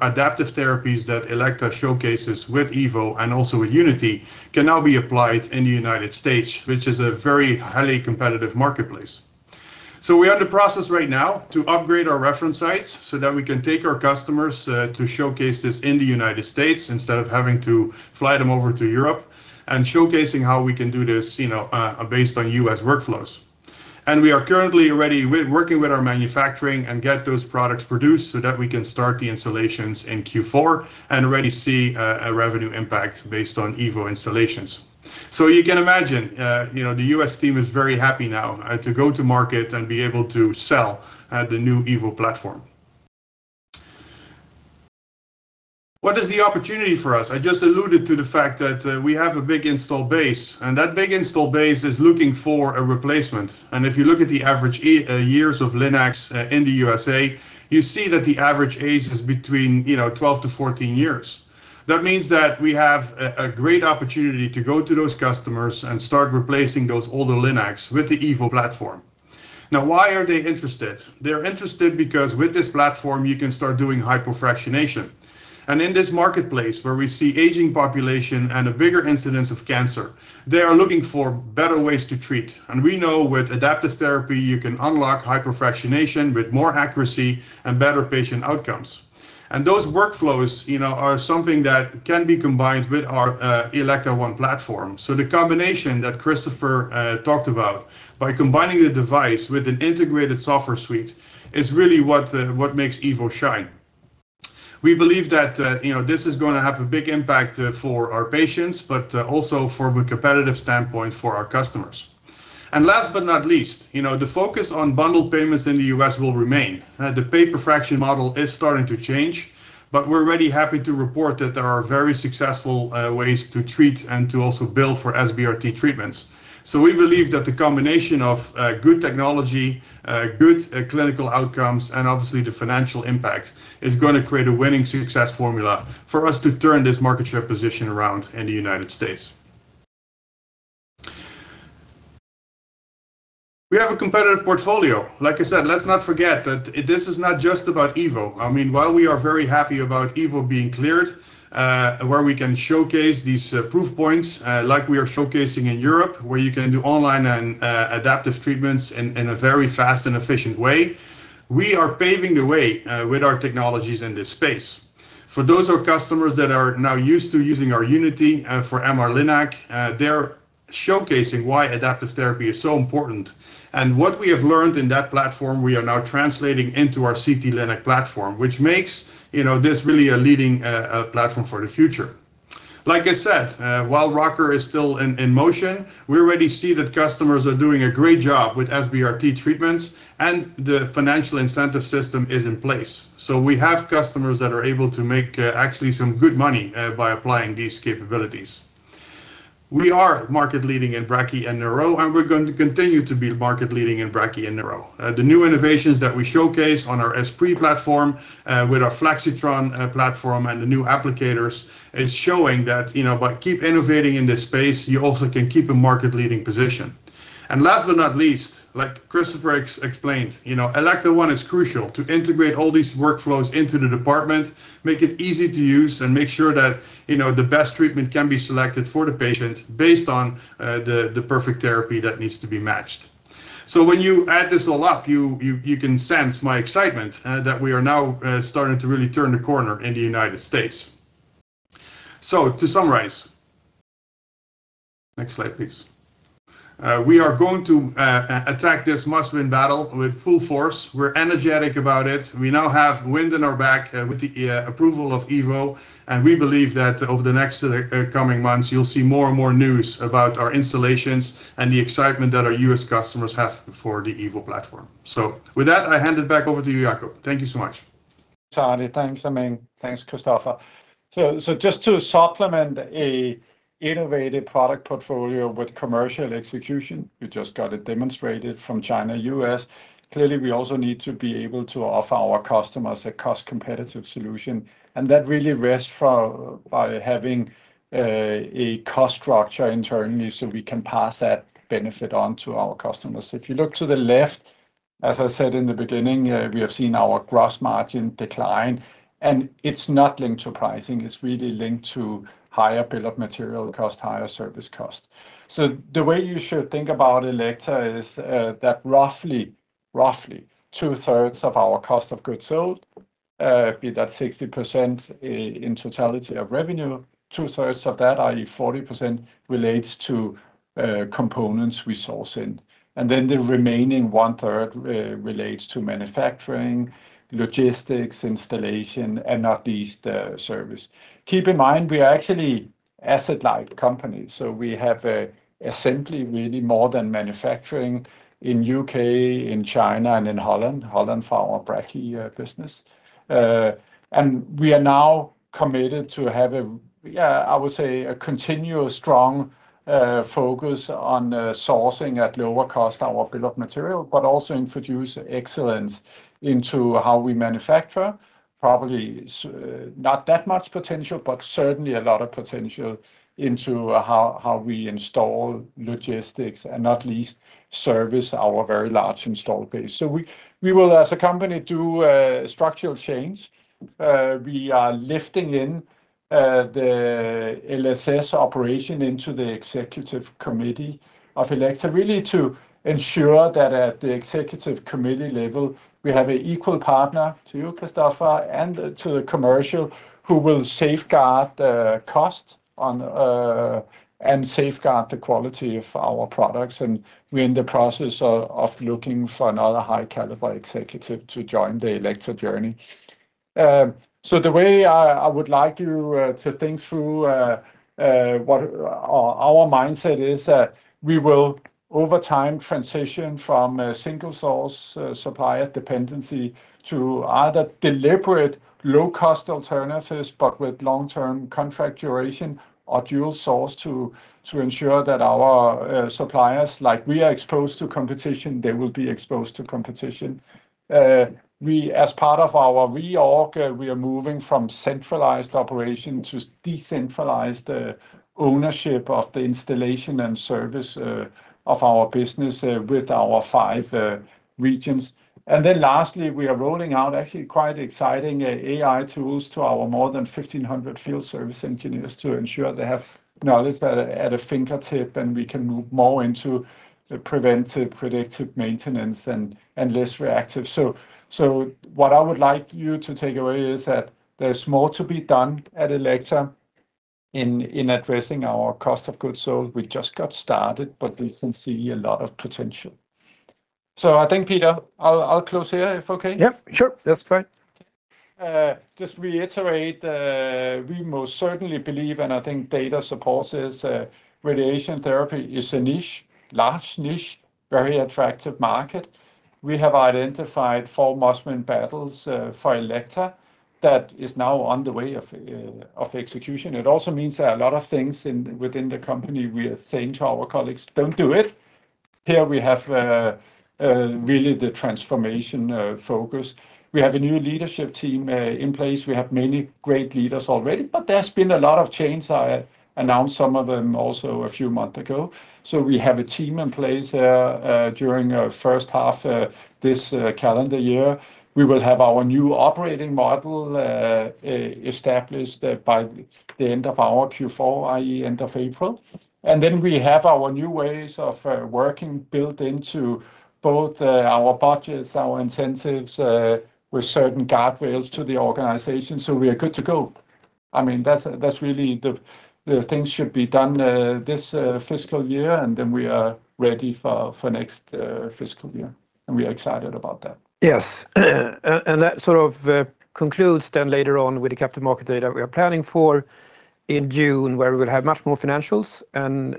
adaptive therapies that Elekta showcases with Evo and also with Unity, can now be applied in the United States, which is a very highly competitive marketplace. So we are in the process right now to upgrade our reference sites so that we can take our customers to showcase this in the United States, instead of having to fly them over to Europe, and showcasing how we can do this, you know, based on US workflows. We are currently already working with our manufacturing and get those products produced so that we can start the installations in Q4 and already see a revenue impact based on EVO installations. You can imagine, you know, the U.S. team is very happy now to go to market and be able to sell the new EVO platform. What is the opportunity for us? I just alluded to the fact that we have a big install base, and that big install base is looking for a replacement. If you look at the average years of Linacs in the U.S.A., you see that the average age is between, you know, 12-14 years. That means that we have a great opportunity to go to those customers and start replacing those older Linacs with the EVO platform. Now, why are they interested? They're interested because with this platform, you can start doing hypofractionation. And in this marketplace, where we see aging population and a bigger incidence of cancer, they are looking for better ways to treat. And we know with adaptive therapy, you can unlock hypofractionation with more accuracy and better patient outcomes. And those workflows, you know, are something that can be combined with our Elekta ONE platform. So the combination that Christopher talked about by combining the device with an integrated software suite is really what makes EVO shine. We believe that, you know, this is gonna have a big impact for our patients, but also from a competitive standpoint for our customers. And last but not least, you know, the focus on bundled payments in the US will remain. The pay per fraction model is starting to change, but we're already happy to report that there are very successful ways to treat and to also bill for SBRT treatments. We believe that the combination of good technology, good clinical outcomes, and obviously the financial impact is gonna create a winning success formula for us to turn this market share position around in the United States. We have a competitive portfolio. Like I said, let's not forget that this is not just about EVO. I mean, while we are very happy about EVO being cleared, where we can showcase these proof points, like we are showcasing in Europe, where you can do online and adaptive treatments in a very fast and efficient way. We are paving the way with our technologies in this space. For those of our customers that are now used to using our Unity for MR-Linac, they're showcasing why adaptive therapy is so important. And what we have learned in that platform, we are now translating into our CT Linac platform, which makes, you know, this really a leading platform for the future. Like I said, while rocker is still in motion, we already see that customers are doing a great job with SBRT treatments, and the financial incentive system is in place. So we have customers that are able to make actually some good money by applying these capabilities. We are market leading in brachy and neuro, and we're going to continue to be market leading in brachy and neuro. The new innovations that we showcase on our Esprit platform, with our Flexitron platform and the new applicators, is showing that, you know, by keep innovating in this space, you also can keep a market leading position. And last but not least, like Christopher explained, you know, Elekta ONE is crucial to integrate all these workflows into the department, make it easy to use, and make sure that, you know, the best treatment can be selected for the patient based on, the perfect therapy that needs to be matched. So when you add this all up, you can sense my excitement, that we are now starting to really turn the corner in the United States. So to summarize. Next slide, please. We are going to attack this must-win battle with full force. We're energetic about it. We now have wind in our back, with the approval of EVO, and we believe that over the next coming months, you'll see more and more news about our installations and the excitement that our U.S. customers have for the EVO platform. So with that, I hand it back over to you, Jakob. Thank you so much.... Charlie, thanks, Anming. Thanks, Christopher. So, so just to supplement an innovative product portfolio with commercial execution, you just got it demonstrated from China, US. Clearly, we also need to be able to offer our customers a cost-competitive solution, and that really rests from by having a cost structure internally, so we can pass that benefit on to our customers. If you look to the left... as I said in the beginning, we have seen our gross margin decline, and it's not linked to pricing, it's really linked to higher bill of material cost, higher service cost. The way you should think about Elekta is that roughly two-thirds of our cost of goods sold, be that 60% in totality of revenue, two-thirds of that, i.e., 40%, relates to components we source in, and then the remaining one-third relates to manufacturing, logistics, installation, and not least service. Keep in mind, we are actually asset light company, so we have a assembly, really more than manufacturing in UK, in China, and in Holland. Holland for our brachy business. And we are now committed to have a, yeah, I would say, a continuous strong focus on sourcing at lower cost our bill of material, but also introduce excellence into how we manufacture. Probably not that much potential, but certainly a lot of potential into how we install logistics, and not least, service our very large install base. So we will, as a company, do a structural change. We are lifting in the LSS operation into the Executive Committee of Elekta, really to ensure that at the Executive Committee level, we have an equal partner to you, Christofer, and to the commercial, who will safeguard the cost on, and safeguard the quality of our products. And we're in the process of looking for another high caliber executive to join the Elekta journey. So the way I would like you to think through what our mindset is that we will, over time, transition from a single source supplier dependency to either deliberate low-cost alternatives, but with long-term contract duration or dual source to ensure that our suppliers, like we are exposed to competition, they will be exposed to competition. We, as part of our reorg, we are moving from centralized operation to decentralized ownership of the installation and service of our business with our five regions. And then lastly, we are rolling out actually quite exciting AI tools to our more than 1,500 field service engineers to ensure they have knowledge at a fingertip, and we can move more into the preventive, predictive maintenance, and less reactive. So what I would like you to take away is that there's more to be done at Elekta in addressing our cost of goods sold. We just got started, but we can see a lot of potential. So I think, Peter, I'll close here, if okay? Yep, sure. That's fine. Just reiterate, we most certainly believe, and I think data supports this, radiation therapy is a niche, large niche, very attractive market. We have identified four must-win battles for Elekta, that is now on the way of execution. It also means that a lot of things within the company, we are saying to our colleagues, "Don't do it." Here we have really the transformation focus. We have a new leadership team in place. We have many great leaders already, but there's been a lot of change. I have announced some of them also a few months ago. So we have a team in place during our first half this calendar year. We will have our new operating model established by the end of our Q4, i.e., end of April. And then we have our new ways of working built into both our budgets, our incentives with certain guardrails to the organization, so we are good to go. I mean, that's really the things should be done this fiscal year, and then we are ready for next fiscal year. We are excited about that. Yes. And that sort of concludes then later on with the capital markets day we are planning for in June, where we will have much more financials, and,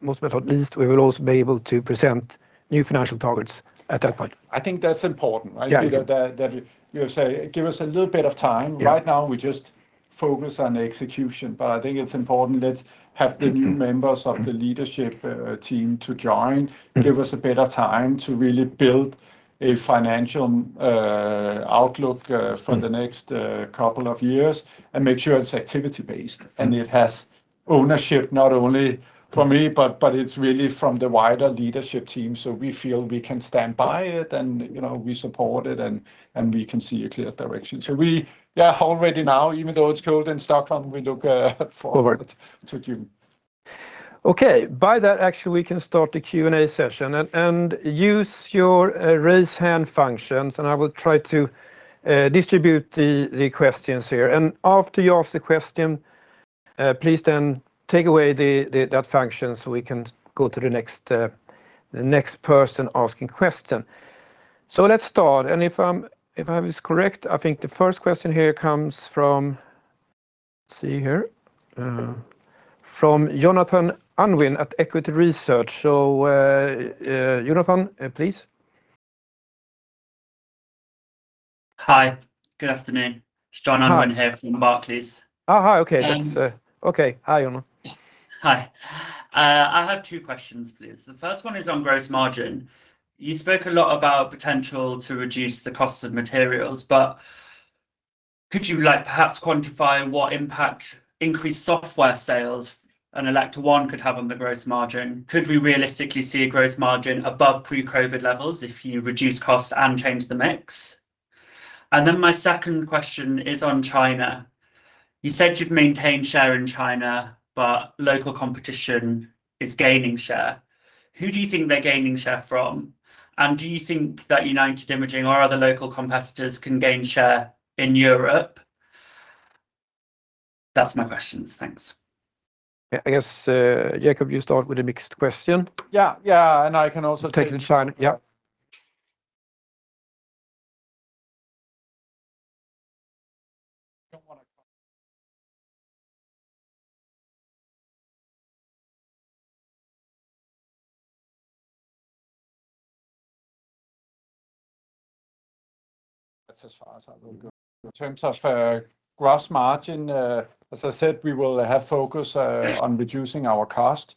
most but not least, we will also be able to present new financial targets at that point. I think that's important, right? Yeah. That you say, give us a little bit of time. Yeah. Right now, we just focus on the execution, but I think it's important. Let's have the- Mm-hmm... new members of the leadership team to join. Mm-hmm. Give us a better time to really build a financial outlook. Mm... for the next couple of years, and make sure it's activity-based- Mm... and it has ownership, not only from me, but, but it's really from the wider leadership team, so we feel we can stand by it, and, you know, we support it, and, and we can see a clear direction. So we, yeah, already now, even though it's cold in Stockholm, we look forward to June. Okay. By that, actually, we can start the Q&A session. And use your raise hand functions, and I will try to distribute the questions here. And after you ask the question, please then take away that function so we can go to the next person asking question. So let's start. And if I was correct, I think the first question here comes from... Let's see here, from Jonathon Unwin at Equity Research. So, Jonathon, please. Hi. Good afternoon. Hi. It's Jonathon Unwin here from Barclays. Oh, hi. Okay. Um- That's... Okay. Hi, John. Hi. I have two questions, please. The first one is on gross margin. You spoke a lot about potential to reduce the cost of materials. Could you, like, perhaps quantify what impact increased software sales and Elekta ONE could have on the gross margin? Could we realistically see a gross margin above pre-COVID levels if you reduce costs and change the mix? And then my second question is on China. You said you've maintained share in China, but local competition is gaining share. Who do you think they're gaining share from? And do you think that United Imaging or other local competitors can gain share in Europe? That's my questions. Thanks. I guess, Jakob, you start with the mixed question. Yeah. Yeah, and I can also take- Take the China. Yeah. That's as far as I will go. In terms of, gross margin, as I said, we will have focus on reducing our cost.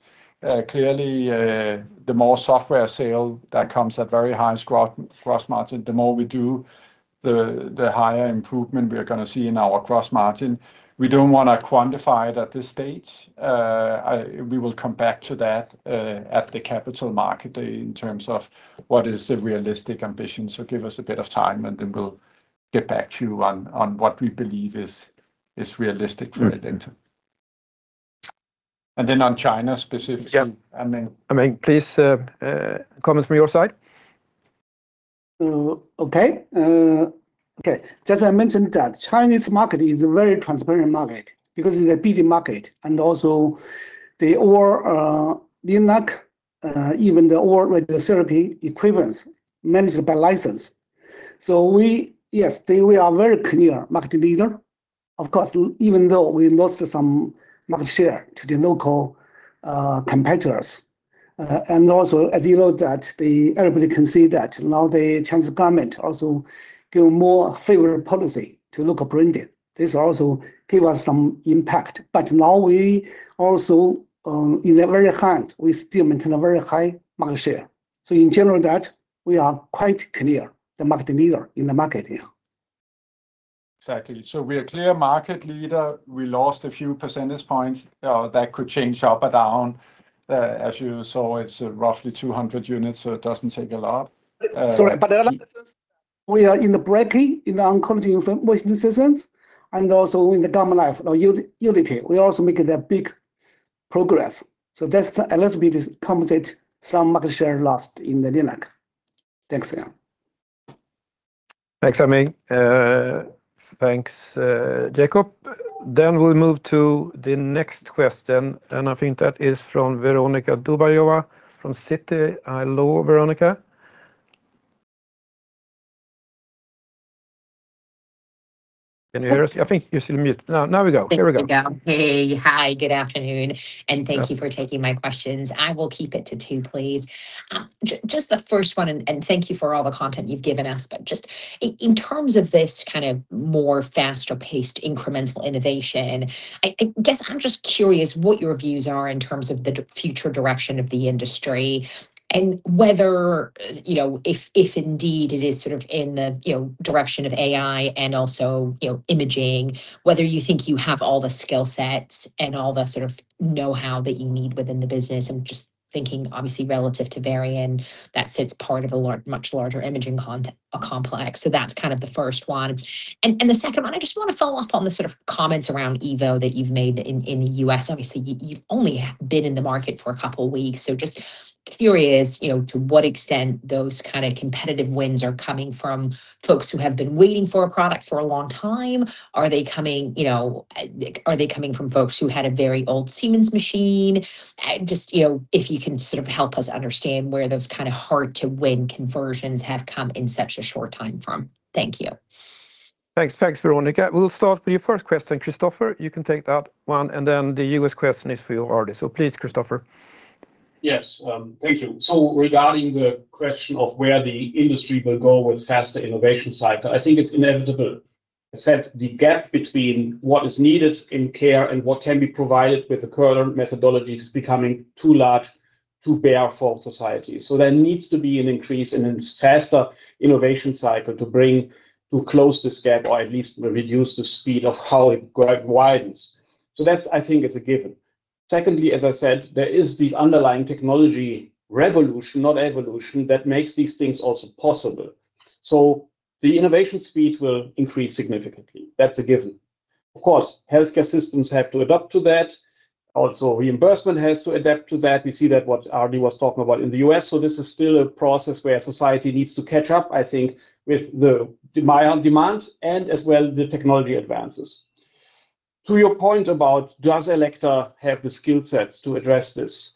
Clearly, the more software sale that comes at very high gross margin, the more we do, the higher improvement we are gonna see in our gross margin. We don't want to quantify it at this stage. We will come back to that at the Capital Markets Day in terms of what is the realistic ambition. So give us a bit of time, and then we'll get back to you on what we believe is realistic for Elekta. And then on China specifically- Yeah. Aming. Anming, please, comments from your side. As I mentioned that Chinese market is a very transparent market because it's a busy market, and also they all, LINAC, even the all radiotherapy equipment managed by license. So we... Yes, they, we are very clear market leader. Of course, even though we lost some market share to the local, competitors, and also, as you know, that the everybody can see that now the Chinese government also give more favorable policy to local branded. This also give us some impact, but now we also, in the very high, we still maintain a very high market share. So in general, that we are quite clear, the market leader in the market here. Exactly. So we are clear market leader. We lost a few percentage points, that could change up or down. As you saw, it's roughly 200 units, so it doesn't take a lot. Sorry, but we are in the brachy, in the oncology information systems, and also in the gamma knife or Neurology. We also making the big progress, so that's a little bit compensate some market share lost in the Linac. Thanks, again. Thanks, Anming. Thanks, Jakob. Then we'll move to the next question, and I think that is from Veronika Dubajova from Citi. Hello, Veronika. Can you hear us? I think you're still mute. Now we go. Here we go. There we go. Hey, hi, good afternoon, and thank you for taking my questions. I will keep it to two, please. Just the first one, and thank you for all the content you've given us. But just in terms of this kind of more faster-paced, incremental innovation, I guess I'm just curious what your views are in terms of the future direction of the industry, and whether, you know, if indeed it is sort of in the, you know, direction of AI and also, you know, imaging, whether you think you have all the skill sets and all the sort of know-how that you need within the business. I'm just thinking, obviously, relative to Varian, that sits part of a much larger imaging complex. So that's kind of the first one. The second one, I just want to follow up on the sort of comments around Evo that you've made in the U.S. Obviously, you've only been in the market for a couple of weeks, so just curious, you know, to what extent those kind of competitive wins are coming from folks who have been waiting for a product for a long time? Are they coming, you know, from folks who had a very old Siemens machine? Just, you know, if you can sort of help us understand where those kind of hard-to-win conversions have come in such a short time from. Thank you. Thanks. Thanks, Veronika. We'll start with your first question. Christopher, you can take that one, and then the US question is for you, Ardie. So please, Christopher. Yes, thank you. So regarding the question of where the industry will go with faster innovation cycle, I think it's inevitable. I said the gap between what is needed in care and what can be provided with the current methodologies is becoming too large to bear for society. So there needs to be an increase in its faster innovation cycle to bring, to close this gap, or at least reduce the speed of how it widens. So that's, I think, is a given. Secondly, as I said, there is the underlying technology revolution, not evolution, that makes these things also possible. So the innovation speed will increase significantly, that's a given. Of course, healthcare systems have to adapt to that. Also, reimbursement has to adapt to that. We see that what Ardie was talking about in the U.S., so this is still a process where society needs to catch up, I think, with the higher demand and as well, the technology advances. To your point about, does Elekta have the skill sets to address this?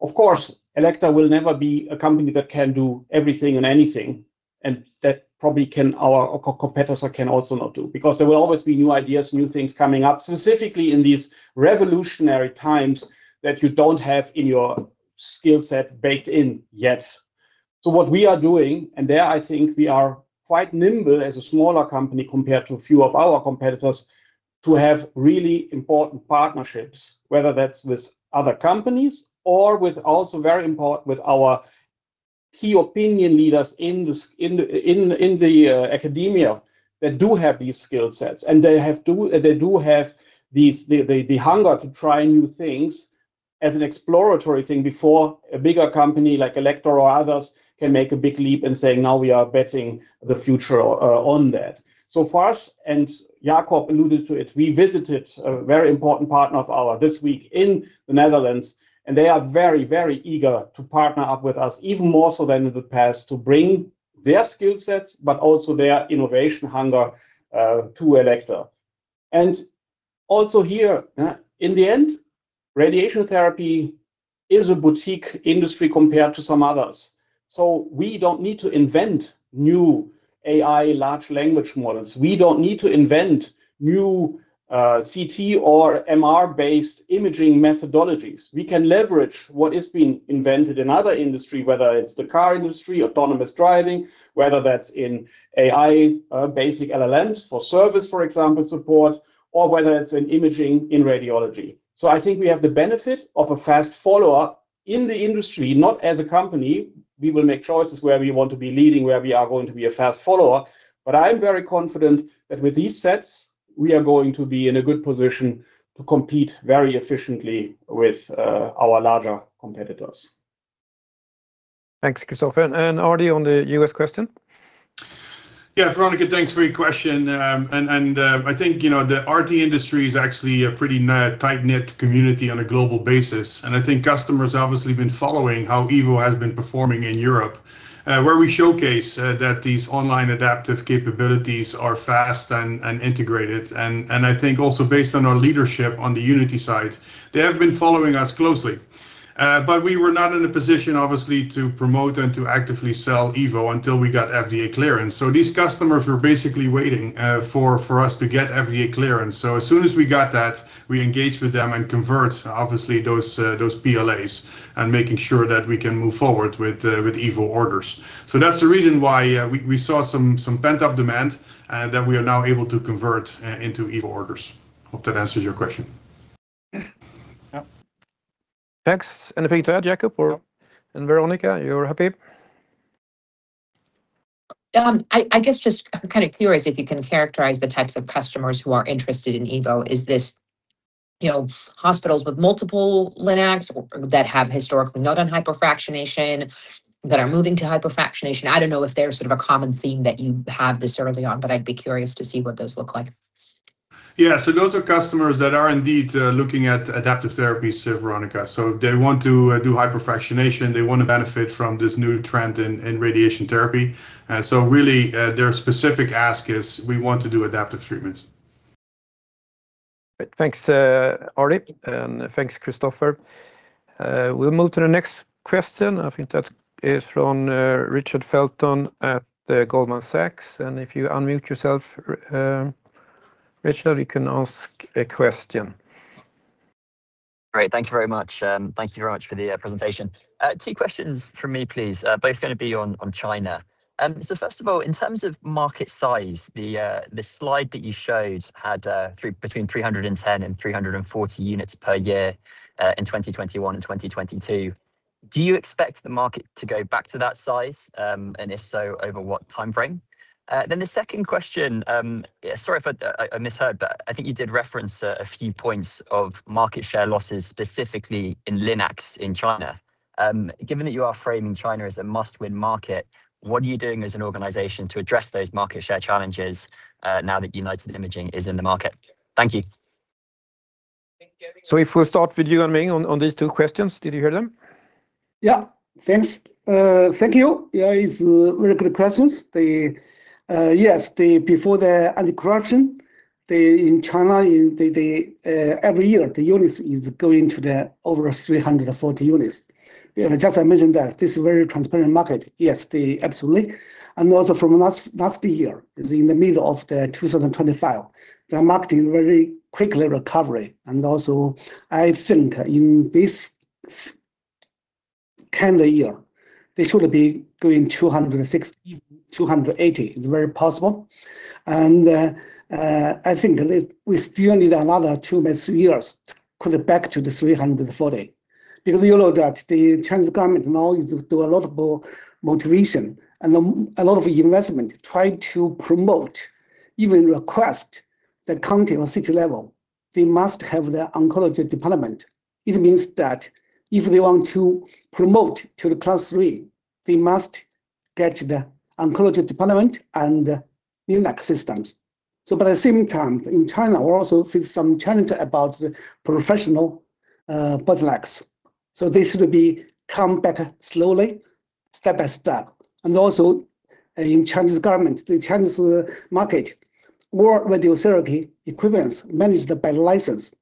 Of course, Elekta will never be a company that can do everything and anything, and that probably can, our competitors can also not do, because there will always be new ideas, new things coming up, specifically in these revolutionary times that you don't have in your skill set baked in yet. So what we are doing, and there, I think we are quite nimble as a smaller company compared to a few of our competitors, to have really important partnerships, whether that's with other companies or with also very important with our-... key opinion leaders in the academia that do have these skill sets, and they do have the hunger to try new things as an exploratory thing before a bigger company like Elekta or others can make a big leap and say, "Now we are betting the future on that." So for us, and Jakob alluded to it, we visited a very important partner of ours this week in the Netherlands, and they are very, very eager to partner up with us, even more so than in the past, to bring their skill sets, but also their innovation hunger to Elekta. And also here, in the end, radiation therapy is a boutique industry compared to some others. So we don't need to invent new AI large language models. We don't need to invent new, CT or MR-based imaging methodologies. We can leverage what is being invented in other industry, whether it's the car industry, autonomous driving, whether that's in AI, basic LLMs for service, for example, support, or whether it's in imaging in radiology. So I think we have the benefit of a fast follower in the industry, not as a company. We will make choices where we want to be leading, where we are going to be a fast follower. But I'm very confident that with these sets, we are going to be in a good position to compete very efficiently with, our larger competitors. Thanks, Christopher. And Ardie, on the U.S. question? Yeah, Veronica, thanks for your question. And I think, you know, the RT industry is actually a pretty tight-knit community on a global basis, and I think customers obviously been following how EVO has been performing in Europe, where we showcase that these online adaptive capabilities are fast and integrated. And I think also based on our leadership on the Unity side, they have been following us closely. But we were not in a position, obviously, to promote and to actively sell EVO until we got FDA clearance. So these customers were basically waiting for us to get FDA clearance. So as soon as we got that, we engaged with them and convert obviously those PLAs, and making sure that we can move forward with EVO orders. So that's the reason why we saw some pent-up demand that we are now able to convert into EVO orders. Hope that answers your question. Yeah. Thanks. Anything to add, Jakob or... And Veronika, you're happy? I guess just I'm kind of curious if you can characterize the types of customers who are interested in EVO. Is this, you know, hospitals with multiple LINACs or that have historically not done hypofractionation, that are moving to hypofractionation? I don't know if there's sort of a common theme that you have this early on, but I'd be curious to see what those look like. Yeah. So those are customers that are indeed looking at adaptive therapy, Veronica. So they want to do hypofractionation. They want to benefit from this new trend in radiation therapy. So really, their specific ask is, we want to do adaptive treatments. Thanks, Ardie, and thanks, Christopher. We'll move to the next question. I think that is from Richard Felton at Goldman Sachs, and if you unmute yourself, Richard, you can ask a question. Great. Thank you very much. Thank you very much for the presentation. Two questions from me, please. Both gonna be on China. So first of all, in terms of market size, the slide that you showed had between 310 and 340 units per year in 2021 and 2022. Do you expect the market to go back to that size? And if so, over what time frame? Then the second question, sorry if I misheard, but I think you did reference a few points of market share losses, specifically in LINACs in China. Given that you are framing China as a must-win market, what are you doing as an organization to address those market share challenges, now that United Imaging is in the market? Thank you. If we start with you, Anming, on these two questions, did you hear them? Yeah. Thanks. Thank you. Yeah, it's really good questions. Yes, before the anti-corruption, in China, every year, the units is going to over 340 units. Yeah, just I mentioned that this is very transparent market. Yes, absolutely, and also from last year, in the middle of 2025, the market is very quickly recovery. And also, I think in this calendar year, they should be going 260-280. It's very possible, and, I think we still need another 2-3 years to come back to the 340. Because you know that the Chinese government now do a lot of motivation and a lot of investment, try to promote, even request the county or city level, they must have their oncology department. It means that if they want to promote to the Class 3, they must get the oncology department and LINAC systems. So but at the same time, in China, we also face some challenge about the professional bodies. So this will come back slowly, step by step. And also, in Chinese government, the Chinese market, more radiotherapy equipments managed by license.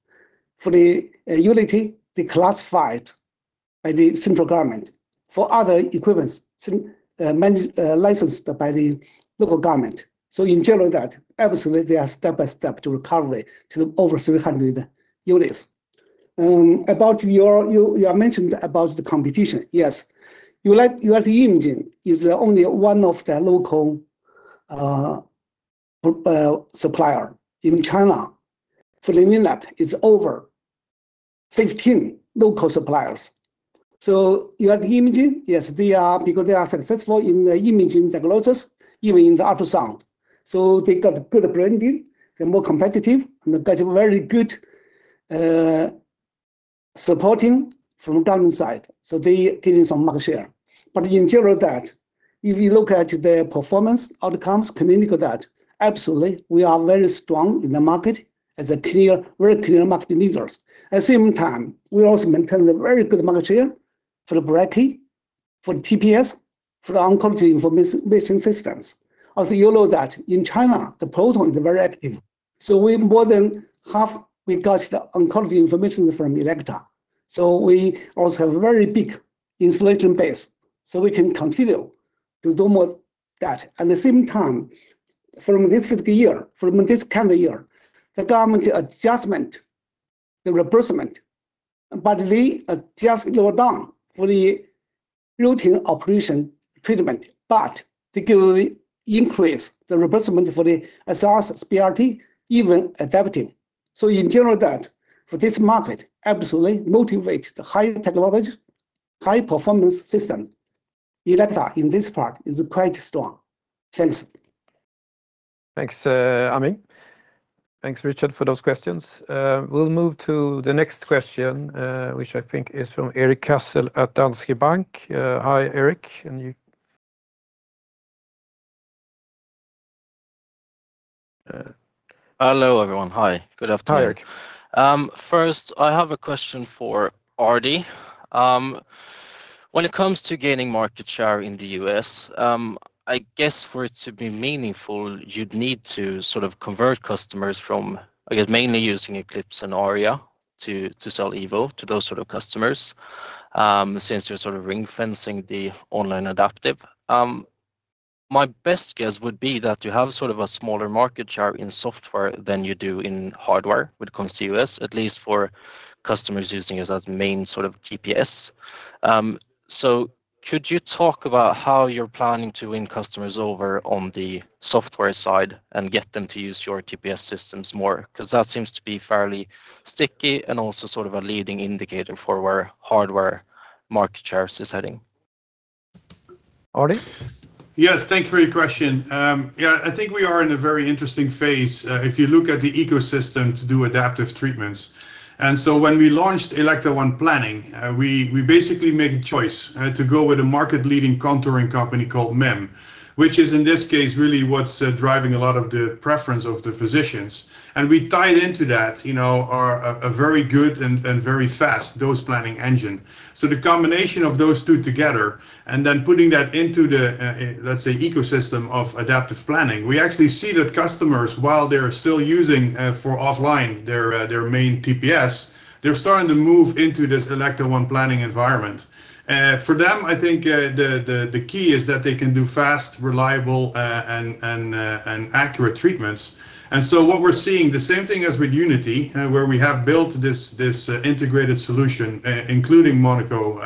For the Unity, they classified by the central government. For other equipments, licensed by the local government. So in general, that absolutely, they are step by step to recovery to over 300 units. About your, you mentioned about the competition. Yes, United Imaging is only one of the local supplier in China. For the LINAC, it's over 15 local suppliers. So you have the imaging? Yes, they are, because they are successful in the imaging diagnosis, even in the ultrasound. So they got good branding, they're more competitive, and they got a very good supporting from government side, so they gaining some market share. But in general that, if you look at their performance outcomes, clinical that, absolutely we are very strong in the market as a clear, very clear market leaders. At the same time, we also maintain a very good market share for the brachy, for TPS, for the oncology information systems. Also, you know that in China, the proton is very active, so we more than half we got the oncology information from Elekta. So we also have a very big installation base, so we can continue to do more of that. At the same time, from this fiscal year, from this calendar year, the government adjustment, the reimbursement, but they just go down for the routine operation treatment, but they give increase the reimbursement for the SRS, SBRT, even adaptive. So in general that, for this market, absolutely motivates the high technology, high performance system. Elekta, in this part, is quite strong. Thanks. Thanks, Anming. Thanks, Richard, for those questions. We'll move to the next question, which I think is from Erik Cassel at Danske Bank. Hi, Erik, and you- Hello, everyone. Hi, good afternoon. Hi, Erik. First, I have a question for Ardie. When it comes to gaining market share in the U.S., I guess for it to be meaningful, you'd need to sort of convert customers from, I guess, mainly using Eclipse and Aria to, to sell Evo to those sort of customers, since you're sort of ring-fencing the online adaptive. My best guess would be that you have sort of a smaller market share in software than you do in hardware when it comes to U.S., at least for customers using it as main sort of TPS. So could you talk about how you're planning to win customers over on the software side and get them to use your TPS systems more? Because that seems to be fairly sticky and also sort of a leading indicator for where hardware market share is heading. Ardie? Yes, thank you for your question. Yeah, I think we are in a very interesting phase, if you look at the ecosystem to do adaptive treatments. And so when we launched Elekta ONE Planning, we basically made a choice, to go with a market-leading contouring company called MIM, which is, in this case, really what's driving a lot of the preference of the physicians. And we tied into that, you know, a very good and very fast dose planning engine. So the combination of those two together and then putting that into the, let's say, ecosystem of adaptive planning, we actually see that customers, while they're still using, for offline their their main TPS, they're starting to move into this Elekta ONE Planning environment. For them, I think, the key is that they can do fast, reliable, and accurate treatments. And so what we're seeing, the same thing as with Unity, where we have built this integrated solution, including Monaco,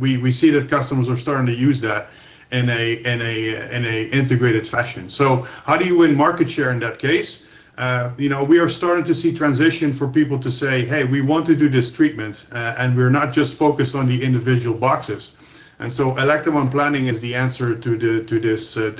we see that customers are starting to use that in a integrated fashion. So how do you win market share in that case? You know, we are starting to see transition for people to say, "Hey, we want to do this treatment, and we're not just focused on the individual boxes." And so Elekta ONE Planning is the answer to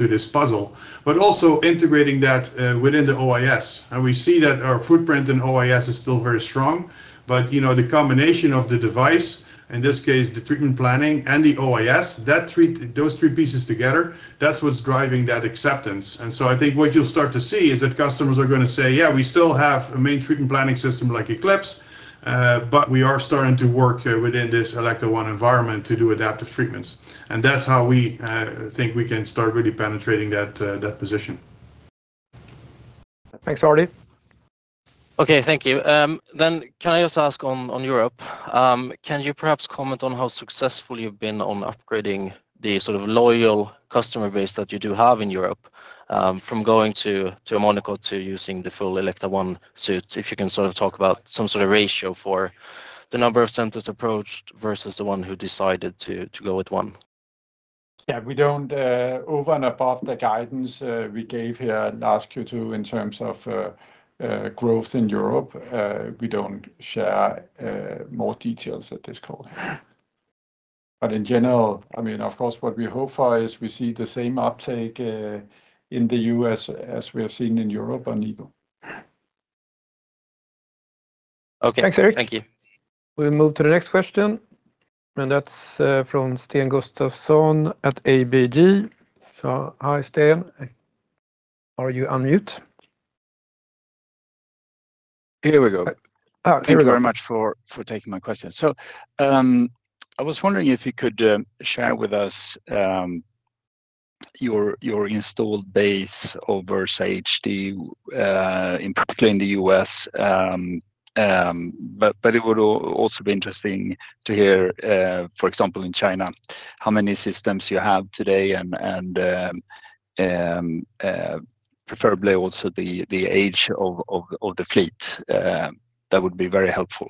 this puzzle, but also integrating that within the OIS. And we see that our footprint in OIS is still very strong, but, you know, the combination of the device, in this case, the treatment planning and the OIS, those three pieces together, that's what's driving that acceptance. And so I think what you'll start to see is that customers are gonna say, "Yeah, we still have a main treatment planning system like Eclipse, but we are starting to work within this Elekta ONE environment to do adaptive treatments." And that's how we think we can start really penetrating that position. Thanks, Ardie. Okay, thank you. Then can I just ask on Europe, can you perhaps comment on how successful you've been on upgrading the sort of loyal customer base that you do have in Europe, from going to a Monaco to using the full Elekta ONE suite? If you can sort of talk about some sort of ratio for the number of centers approached versus the one who decided to go with One. Yeah, we don't, over and above the guidance we gave here last Q2 in terms of growth in Europe, we don't share more details at this call. But in general, I mean, of course, what we hope for is we see the same uptake in the U.S. as we have seen in Europe on Evo. Okay. Thanks, Erik. Thank you. We'll move to the next question, and that's from Sten Gustafsson at ABG. So hi, Sten. Are you on mute? Here we go. Oh, here we go. Thank you very much for taking my question. So, I was wondering if you could share with us your installed base over, say, HD, in particular in the US. But it would also be interesting to hear, for example, in China, how many systems you have today and, preferably also the age of the fleet. That would be very helpful.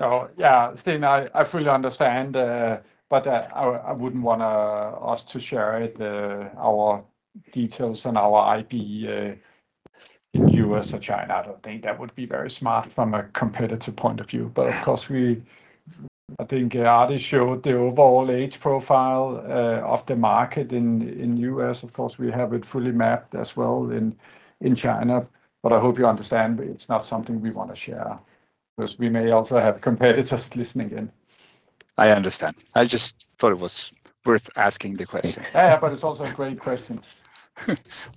Oh, yeah, Sten, I fully understand, but I wouldn't want us to share our details on our IP in US or China. I don't think that would be very smart from a competitive point of view. But of course, I think Ardie showed the overall age profile of the market in US. Of course, we have it fully mapped as well in China, but I hope you understand that it's not something we want to share, because we may also have competitors listening in. I understand. I just thought it was worth asking the question. Yeah, but it's also a great question.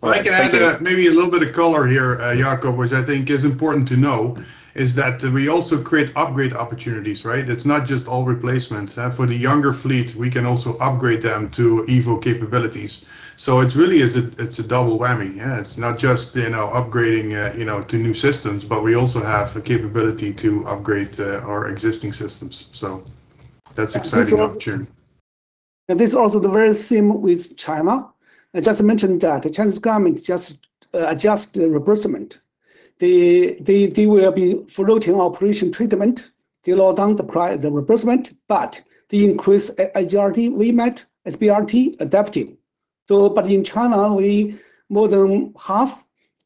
Well, I can add maybe a little bit of color here, Jakob, which I think is important to know, is that we also create upgrade opportunities, right? It's not just all replacements. For the younger fleet, we can also upgrade them to EVO capabilities. So it really is a, it's a double whammy. Yeah, it's not just, you know, upgrading, you know, to new systems, but we also have the capability to upgrade our existing systems. So that's exciting opportunity. This is also the very same with China. I just mentioned that the Chinese government just adjust the replacement. The, the, they will be floating operation treatment to lower down the replacement, but they increase IGRT, VMAT, SBRT adapting. So, but in China, we more than half,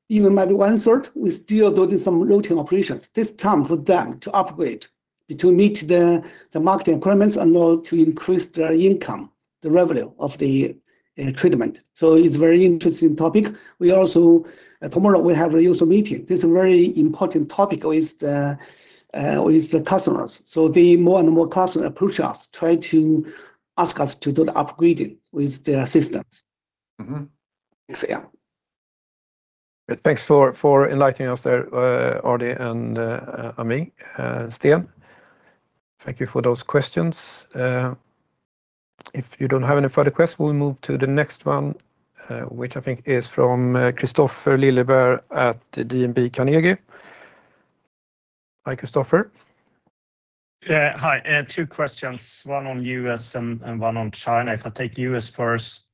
even maybe one third, we still doing some routine operations. This time for them to upgrade, to meet the market requirements and also to increase their income, the revenue of the treatment. So it's very interesting topic. We also, tomorrow, we have a user meeting. This is a very important topic with the customers. So the more and more customers approach us, try to ask us to do the upgrading with their systems. Mm-hmm. Yes. Yeah. Thanks for, for enlightening us there, Ardie and, Anming. Sten, thank you for those questions. If you don't have any further questions, we'll move to the next one, which I think is from, Kristofer Liljeberg at the DNB Carnegie. Hi, Kristofer. Yeah. Hi, two questions, one on U.S. and one on China. If I take U.S. first,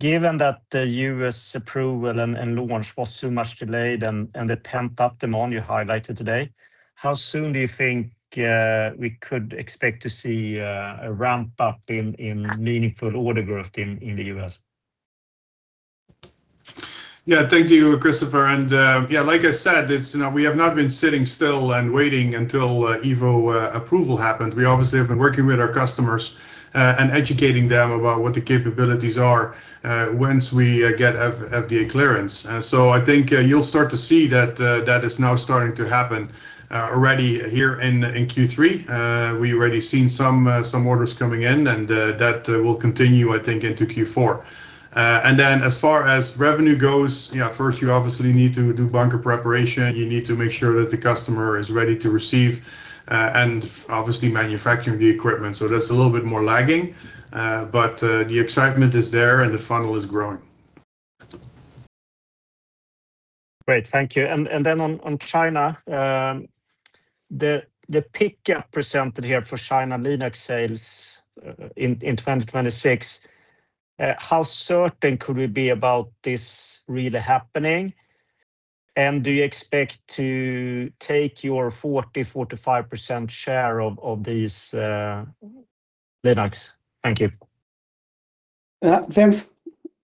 given that the U.S. approval and launch was so much delayed and the pent-up demand you highlighted today, how soon do you think we could expect to see a ramp up in meaningful order growth in the U.S.? Yeah. Thank you, Kristofer. And, yeah, like I said, it's, you know, we have not been sitting still and waiting until EVO approval happened. We obviously have been working with our customers and educating them about what the capabilities are once we get FDA clearance. And so I think you'll start to see that that is now starting to happen already here in Q3. We already seen some some orders coming in, and that will continue, I think, into Q4. And then as far as revenue goes, you know, first, you obviously need to do bunker preparation. You need to make sure that the customer is ready to receive and obviously manufacturing the equipment. So that's a little bit more lagging, but the excitement is there and the funnel is growing. Great. Thank you. And then on China, the pickup presented here for China LINAC sales, in 2026, how certain could we be about this really happening? And do you expect to take your 40-45% share of these LINACs? Thank you. Thanks.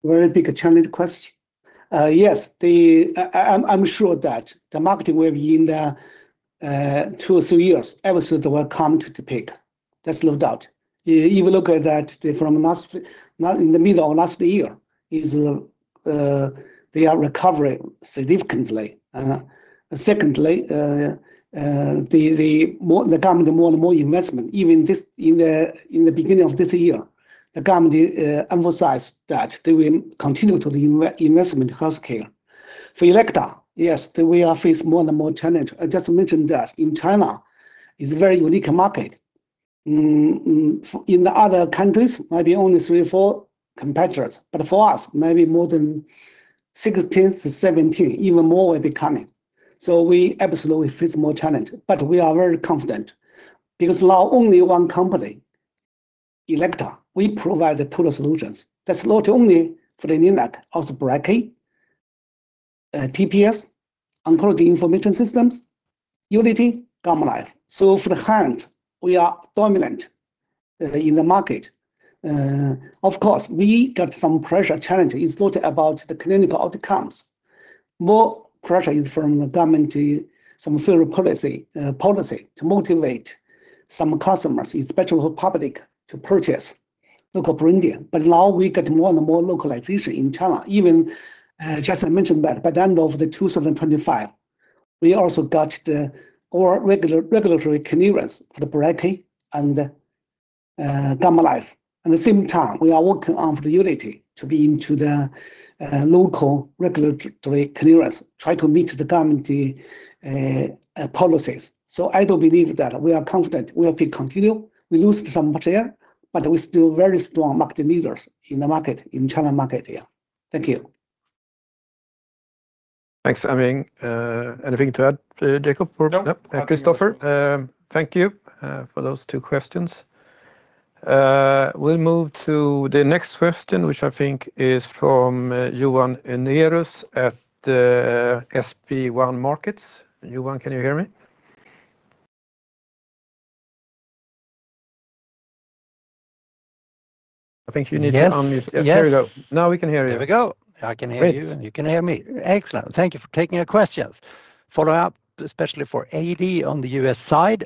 Very big challenge question. Yes, I'm sure that the market will, in the two or three years, absolutely come to the peak. There's no doubt. If you look at that from last, not in the middle of last year, is, they are recovering significantly. Secondly, the more the government, more and more investment, even this, in the beginning of this year, the government emphasized that they will continue to invest in healthcare. For Elekta, yes, we are face more and more challenge. I just mentioned that in China is a very unique market. In the other countries, maybe only three or four competitors, but for us, maybe more than 16-17, even more will be coming. So we absolutely face more challenge, but we are very confident because now only one company, Elekta, we provide the total solutions. That's not only for the LINAC, also brachy, TPS, oncology information systems, Unity, Gamma Knife. So for the hand, we are dominant in the market. Of course, we got some pressure challenge. It's not about the clinical outcomes. More pressure is from the government, some federal policy, policy to motivate some customers, especially public, to purchase local brand. But now we get more and more localization in China. Even, just I mentioned that by the end of 2025, we also got our regulatory clearance for the brachy and Gamma Knife. At the same time, we are working on the Unity to be into the local regulatory clearance, try to meet the government policies. I do believe that we are confident we will continue. We lose some share, but we're still very strong market leaders in the market, in China market here. Thank you. Thanks, Anming. Anything to add, Jakob, or- No. Kristofer? Thank you for those two questions. We'll move to the next question, which I think is from Johan Unnérus at SB1 Markets. Johan, can you hear me?... I think you need to unmute. Yes, yes. There we go. Now we can hear you. There we go. I can hear you. Great You can hear me. Excellent. Thank you for taking our questions. Follow up, especially for Ardie on the US side,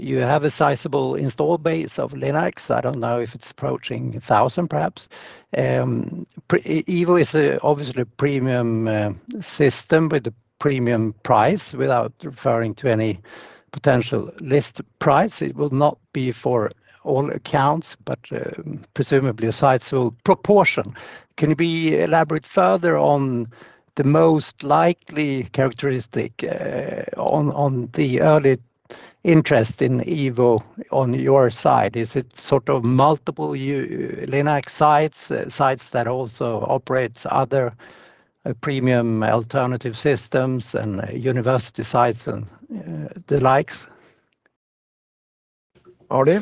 you have a sizable installed base of LINAC. I don't know if it's approaching 1,000, perhaps. Pre-Evo is obviously a premium system with a premium price, without referring to any potential list price. It will not be for all accounts, but, presumably a sizable proportion. Can you elaborate further on the most likely characteristic on the early interest in Evo on your side? Is it sort of multiple multi-LINAC sites, sites that also operates other premium alternative systems and university sites and the like? Ardie.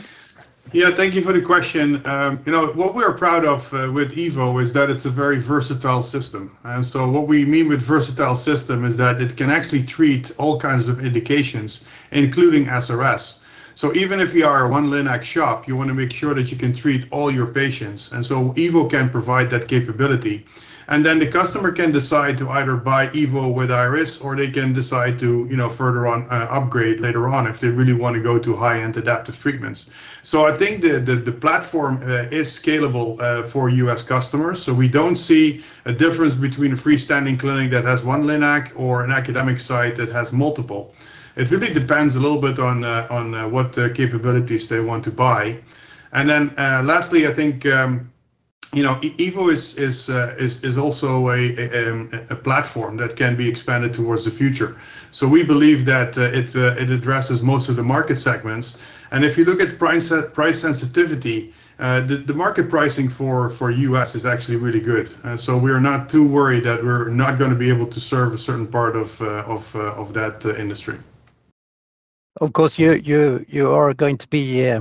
Yeah, thank you for the question. You know, what we're proud of with Evo is that it's a very versatile system. And so what we mean with versatile system is that it can actually treat all kinds of indications, including SRS. So even if you are one LINAC shop, you want to make sure that you can treat all your patients, and so Evo can provide that capability. And then the customer can decide to either buy Evo with Iris, or they can decide to, you know, further on upgrade later on if they really want to go to high-end adaptive treatments. So I think the platform is scalable for U.S. customers. So we don't see a difference between a freestanding clinic that has one LINAC or an academic site that has multiple. It really depends a little bit on, on, what capabilities they want to buy. And then, lastly, I think, you know, Evo is, is, also a, a platform that can be expanded towards the future. So we believe that, it, it addresses most of the market segments. And if you look at price sensitivity, the, the market pricing for U.S. is actually really good. So we are not too worried that we're not gonna be able to serve a certain part of, of, of that, industry. Of course, you are going to be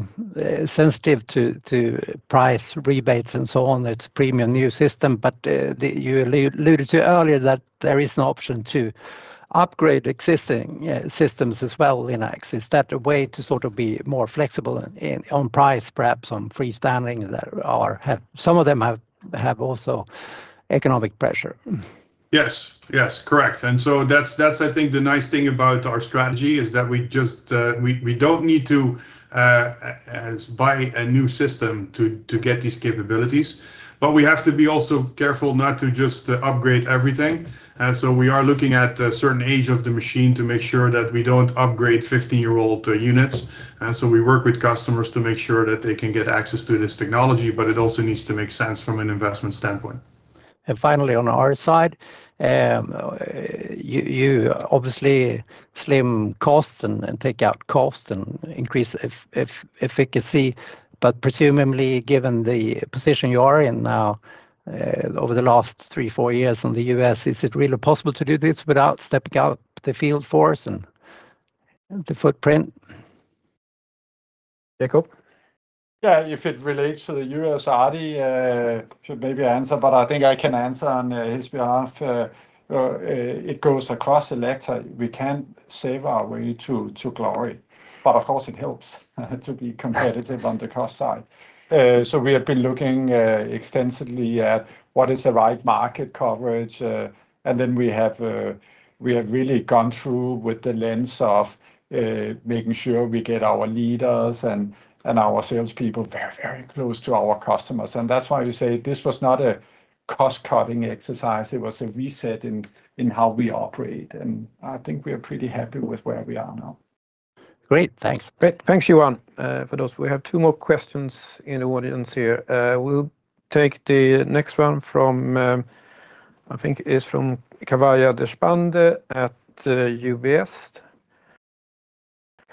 sensitive to price rebates and so on. It's a premium new system, but you alluded to earlier that there is an option to upgrade existing systems as well in access. Is that a way to sort of be more flexible in on price, perhaps on freestanding that are have some of them have also economic pressure? Yes, yes, correct. And so that's, I think the nice thing about our strategy is that we just, we don't need to buy a new system to get these capabilities, but we have to be also careful not to just upgrade everything. So we are looking at a certain age of the machine to make sure that we don't upgrade 15-year-old units. So we work with customers to make sure that they can get access to this technology, but it also needs to make sense from an investment standpoint. Finally, on the art side, you obviously slim costs and take out costs and increase efficacy, but presumably, given the position you are in now, over the last 3, 4 years in the U.S., is it really possible to do this without stepping out the field force and the footprint? Jakob? Yeah, if it relates to the U.S., Ardie should maybe answer, but I think I can answer on his behalf. It goes across Elekta. We can't save our way to glory, but of course, it helps to be competitive on the cost side. So we have been looking extensively at what is the right market coverage, and then we have really gone through with the lens of making sure we get our leaders and our salespeople very, very close to our customers. And that's why we say this was not a cost-cutting exercise. It was a reset in how we operate, and I think we are pretty happy with where we are now. Great. Thanks. Great. Thanks, Johan, for those. We have two more questions in the audience here. We'll take the next one from, I think it's from Kavya Deshpande at UBS.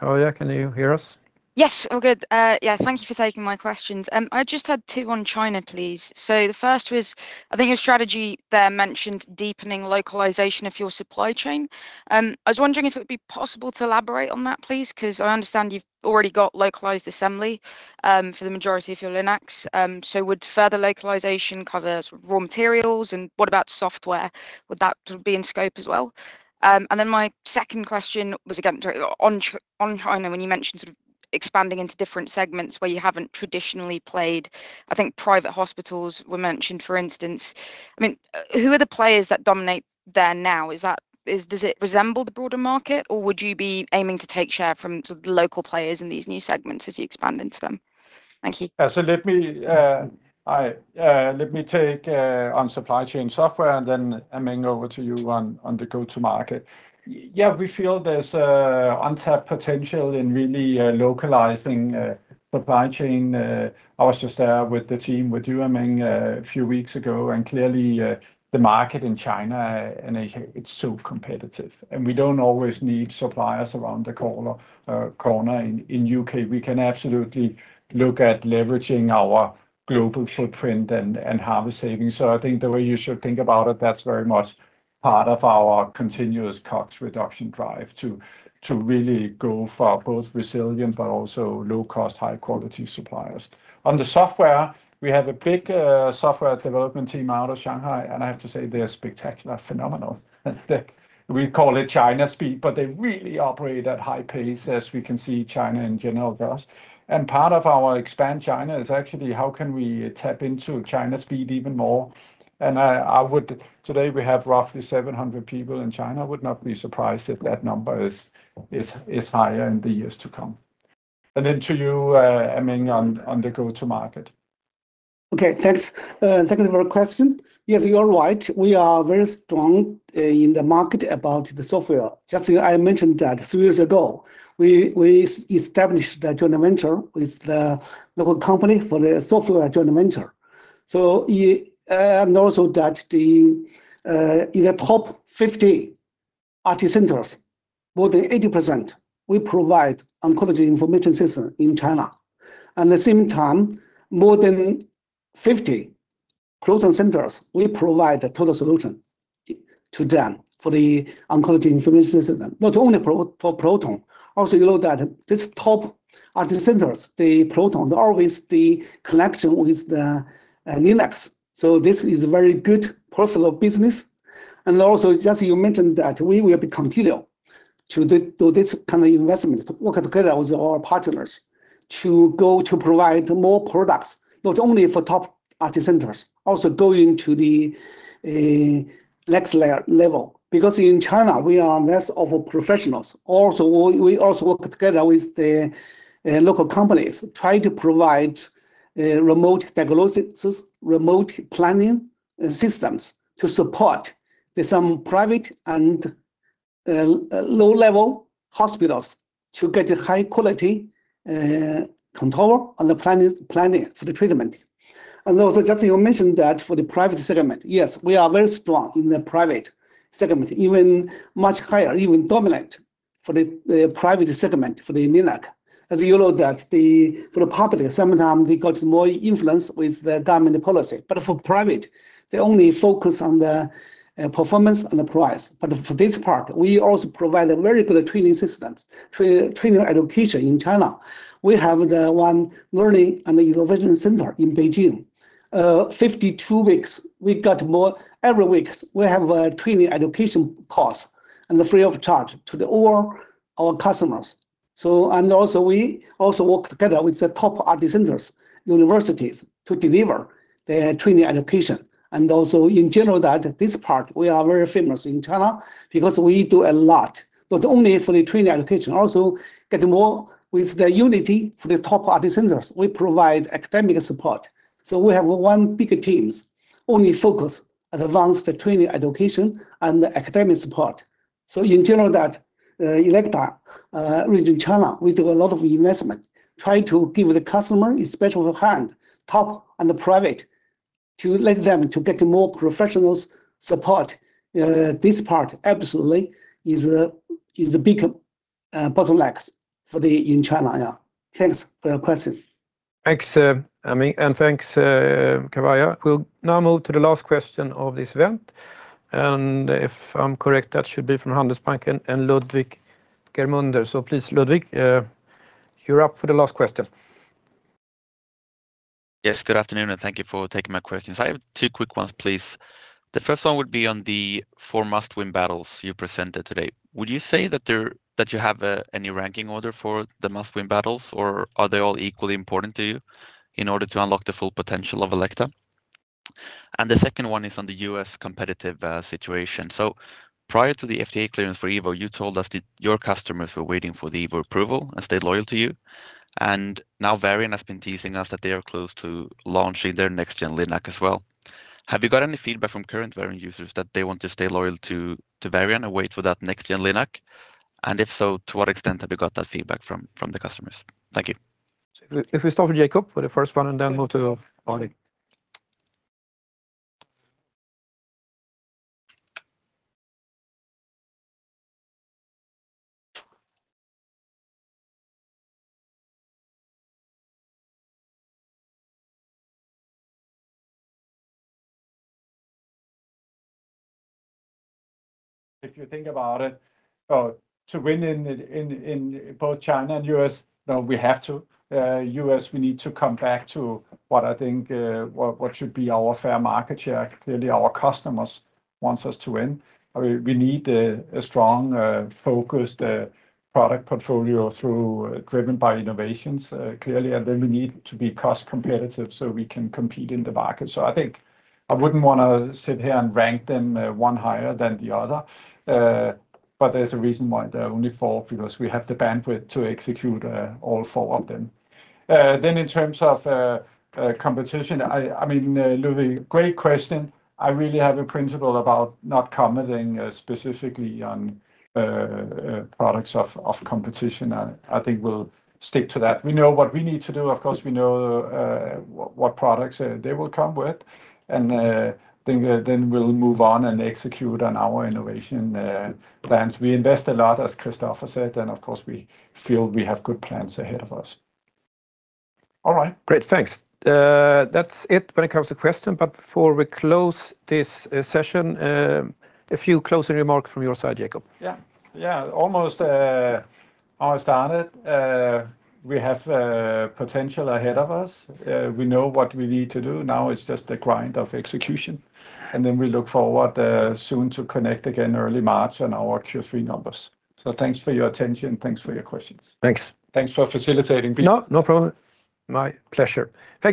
Kavya, can you hear us? Yes, all good. Yeah, thank you for taking my questions. I just had two on China, please. So the first was, I think your strategy there mentioned deepening localization of your supply chain. I was wondering if it would be possible to elaborate on that, please, because I understand you've already got localized assembly for the majority of your LINACs. So would further localization cover raw materials, and what about software? Would that be in scope as well? And then my second question was, again, on, on China, when you mentioned sort of expanding into different segments where you haven't traditionally played, I think private hospitals were mentioned, for instance. I mean, who are the players that dominate there now? Does it resemble the broader market, or would you be aiming to take share from sort of the local players in these new segments as you expand into them? Thank you. Yeah. So let me, I, let me take on supply chain software, and then, Anming, over to you on, on the go-to market. Yeah, we feel there's an untapped potential in really localizing supply chain. I was just there with the team, with you, Anming, a few weeks ago, and clearly, the market in China, and it's so competitive, and we don't always need suppliers around the corner. In U.K., we can absolutely look at leveraging our global footprint and harvest savings. So I think the way you should think about it, that's very much part of our continuous cost reduction drive to really go for both resilient but also low-cost, high-quality suppliers. On the software, we have a big software development team out of Shanghai, and I have to say they are spectacular, phenomenal. We call it China speed, but they really operate at high pace, as we can see China in general does. Part of our expand China is actually how can we tap into China speed even more? And I would—today we have roughly 700 people in China, would not be surprised if that number is higher in the years to come. And then to you, Anming, on the go-to market.... Okay, thanks. Thank you for your question. Yes, you are right. We are very strong in the market about the software. Just, I mentioned that three years ago, we established a joint venture with the local company for the software joint venture. So, and also that the, in the top 50 RT centers, more than 80%, we provide oncology information system in China. At the same time, more than 50 proton centers, we provide a total solution to them for the oncology information system. Not only for proton, also you know that this top RT centers, the proton, always the collection with the LINAC. So this is a very good profile of business, and also, just as you mentioned, we will continue to do this kind of investment, to work together with our partners, to provide more products, not only for top RT centers, also going to the next level. Because in China, we are less of professionals. Also, we also work together with the local companies, try to provide remote diagnosis, remote planning systems to support some private and low-level hospitals to get a high quality control on the planning for the treatment. And also, just as you mentioned, for the private segment, yes, we are very strong in the private segment, even much higher, even dominant for the private segment, for the LINAC. As you know, the public sometimes gets more influence with the government policy. But for private, they only focus on the performance and the price. But for this part, we also provide a very good training systems, training and education in China. We have the one learning and innovation center in Beijing. 52 weeks, we got more. Every week, we have a training education course and free of charge to all our customers. So and also, we also work together with the top RT centers, universities, to deliver the training education. And also, in general, that this part, we are very famous in China because we do a lot. Not only for the training education, also get more with the Unity for the top RT centers. We provide academic support. So we have one big teams only focus on advanced training, education, and academic support. So in general, that, Elekta region China, we do a lot of investment, try to give the customer a special hand, top and the private, to let them to get more professionals support. This part absolutely is a, is a big, bottlenecks for the, in China. Yeah. Thanks for your question. Thanks, Anming, and thanks, Kavya. We'll now move to the last question of this event, and if I'm correct, that should be from Handelsbanken and Ludwig Germunder. Please, Ludwig, you're up for the last question. Yes, good afternoon, and thank you for taking my questions. I have two quick ones, please. The first one would be on the four must-win battles you presented today. Would you say that you have a new ranking order for the must-win battles, or are they all equally important to you in order to unlock the full potential of Elekta? And the second one is on the US competitive situation. So prior to the FDA clearance for EVO, you told us that your customers were waiting for the EVO approval and stayed loyal to you, and now Varian has been teasing us that they are close to launching their next-gen LINAC as well. Have you got any feedback from current Varian users that they want to stay loyal to Varian and wait for that next-gen LINAC? If so, to what extent have you got that feedback from the customers? Thank you. If we start with Jakob for the first one and then move to Ardie. If you think about it, to win in both China and U.S., now we have to, U.S., we need to come back to what I think, what should be our fair market share. Clearly, our customers wants us to win. We need a strong, focused product portfolio through driven by innovations, clearly, and then we need to be cost competitive so we can compete in the market. So I think I wouldn't want to sit here and rank them, one higher than the other, but there's a reason why there are only four, because we have the bandwidth to execute, all four of them. Then in terms of competition, I mean, Ludwig, great question. I really have a principle about not commenting specifically on products of competition, and I think we'll stick to that. We know what we need to do. Of course, we know what products they will come with, and then we'll move on and execute on our innovation plans. We invest a lot, as Christopher said, and of course, we feel we have good plans ahead of us. All right. Great. Thanks. That's it when it comes to question, but before we close this session, a few closing remarks from your side, Jakob. Yeah. Yeah, almost, how I started, we have potential ahead of us. We know what we need to do. Now, it's just the grind of execution, and then we look forward soon to connect again early March on our Q3 numbers. So thanks for your attention, thanks for your questions. Thanks. Thanks for facilitating, Peter. No, no problem. My pleasure. Thank you-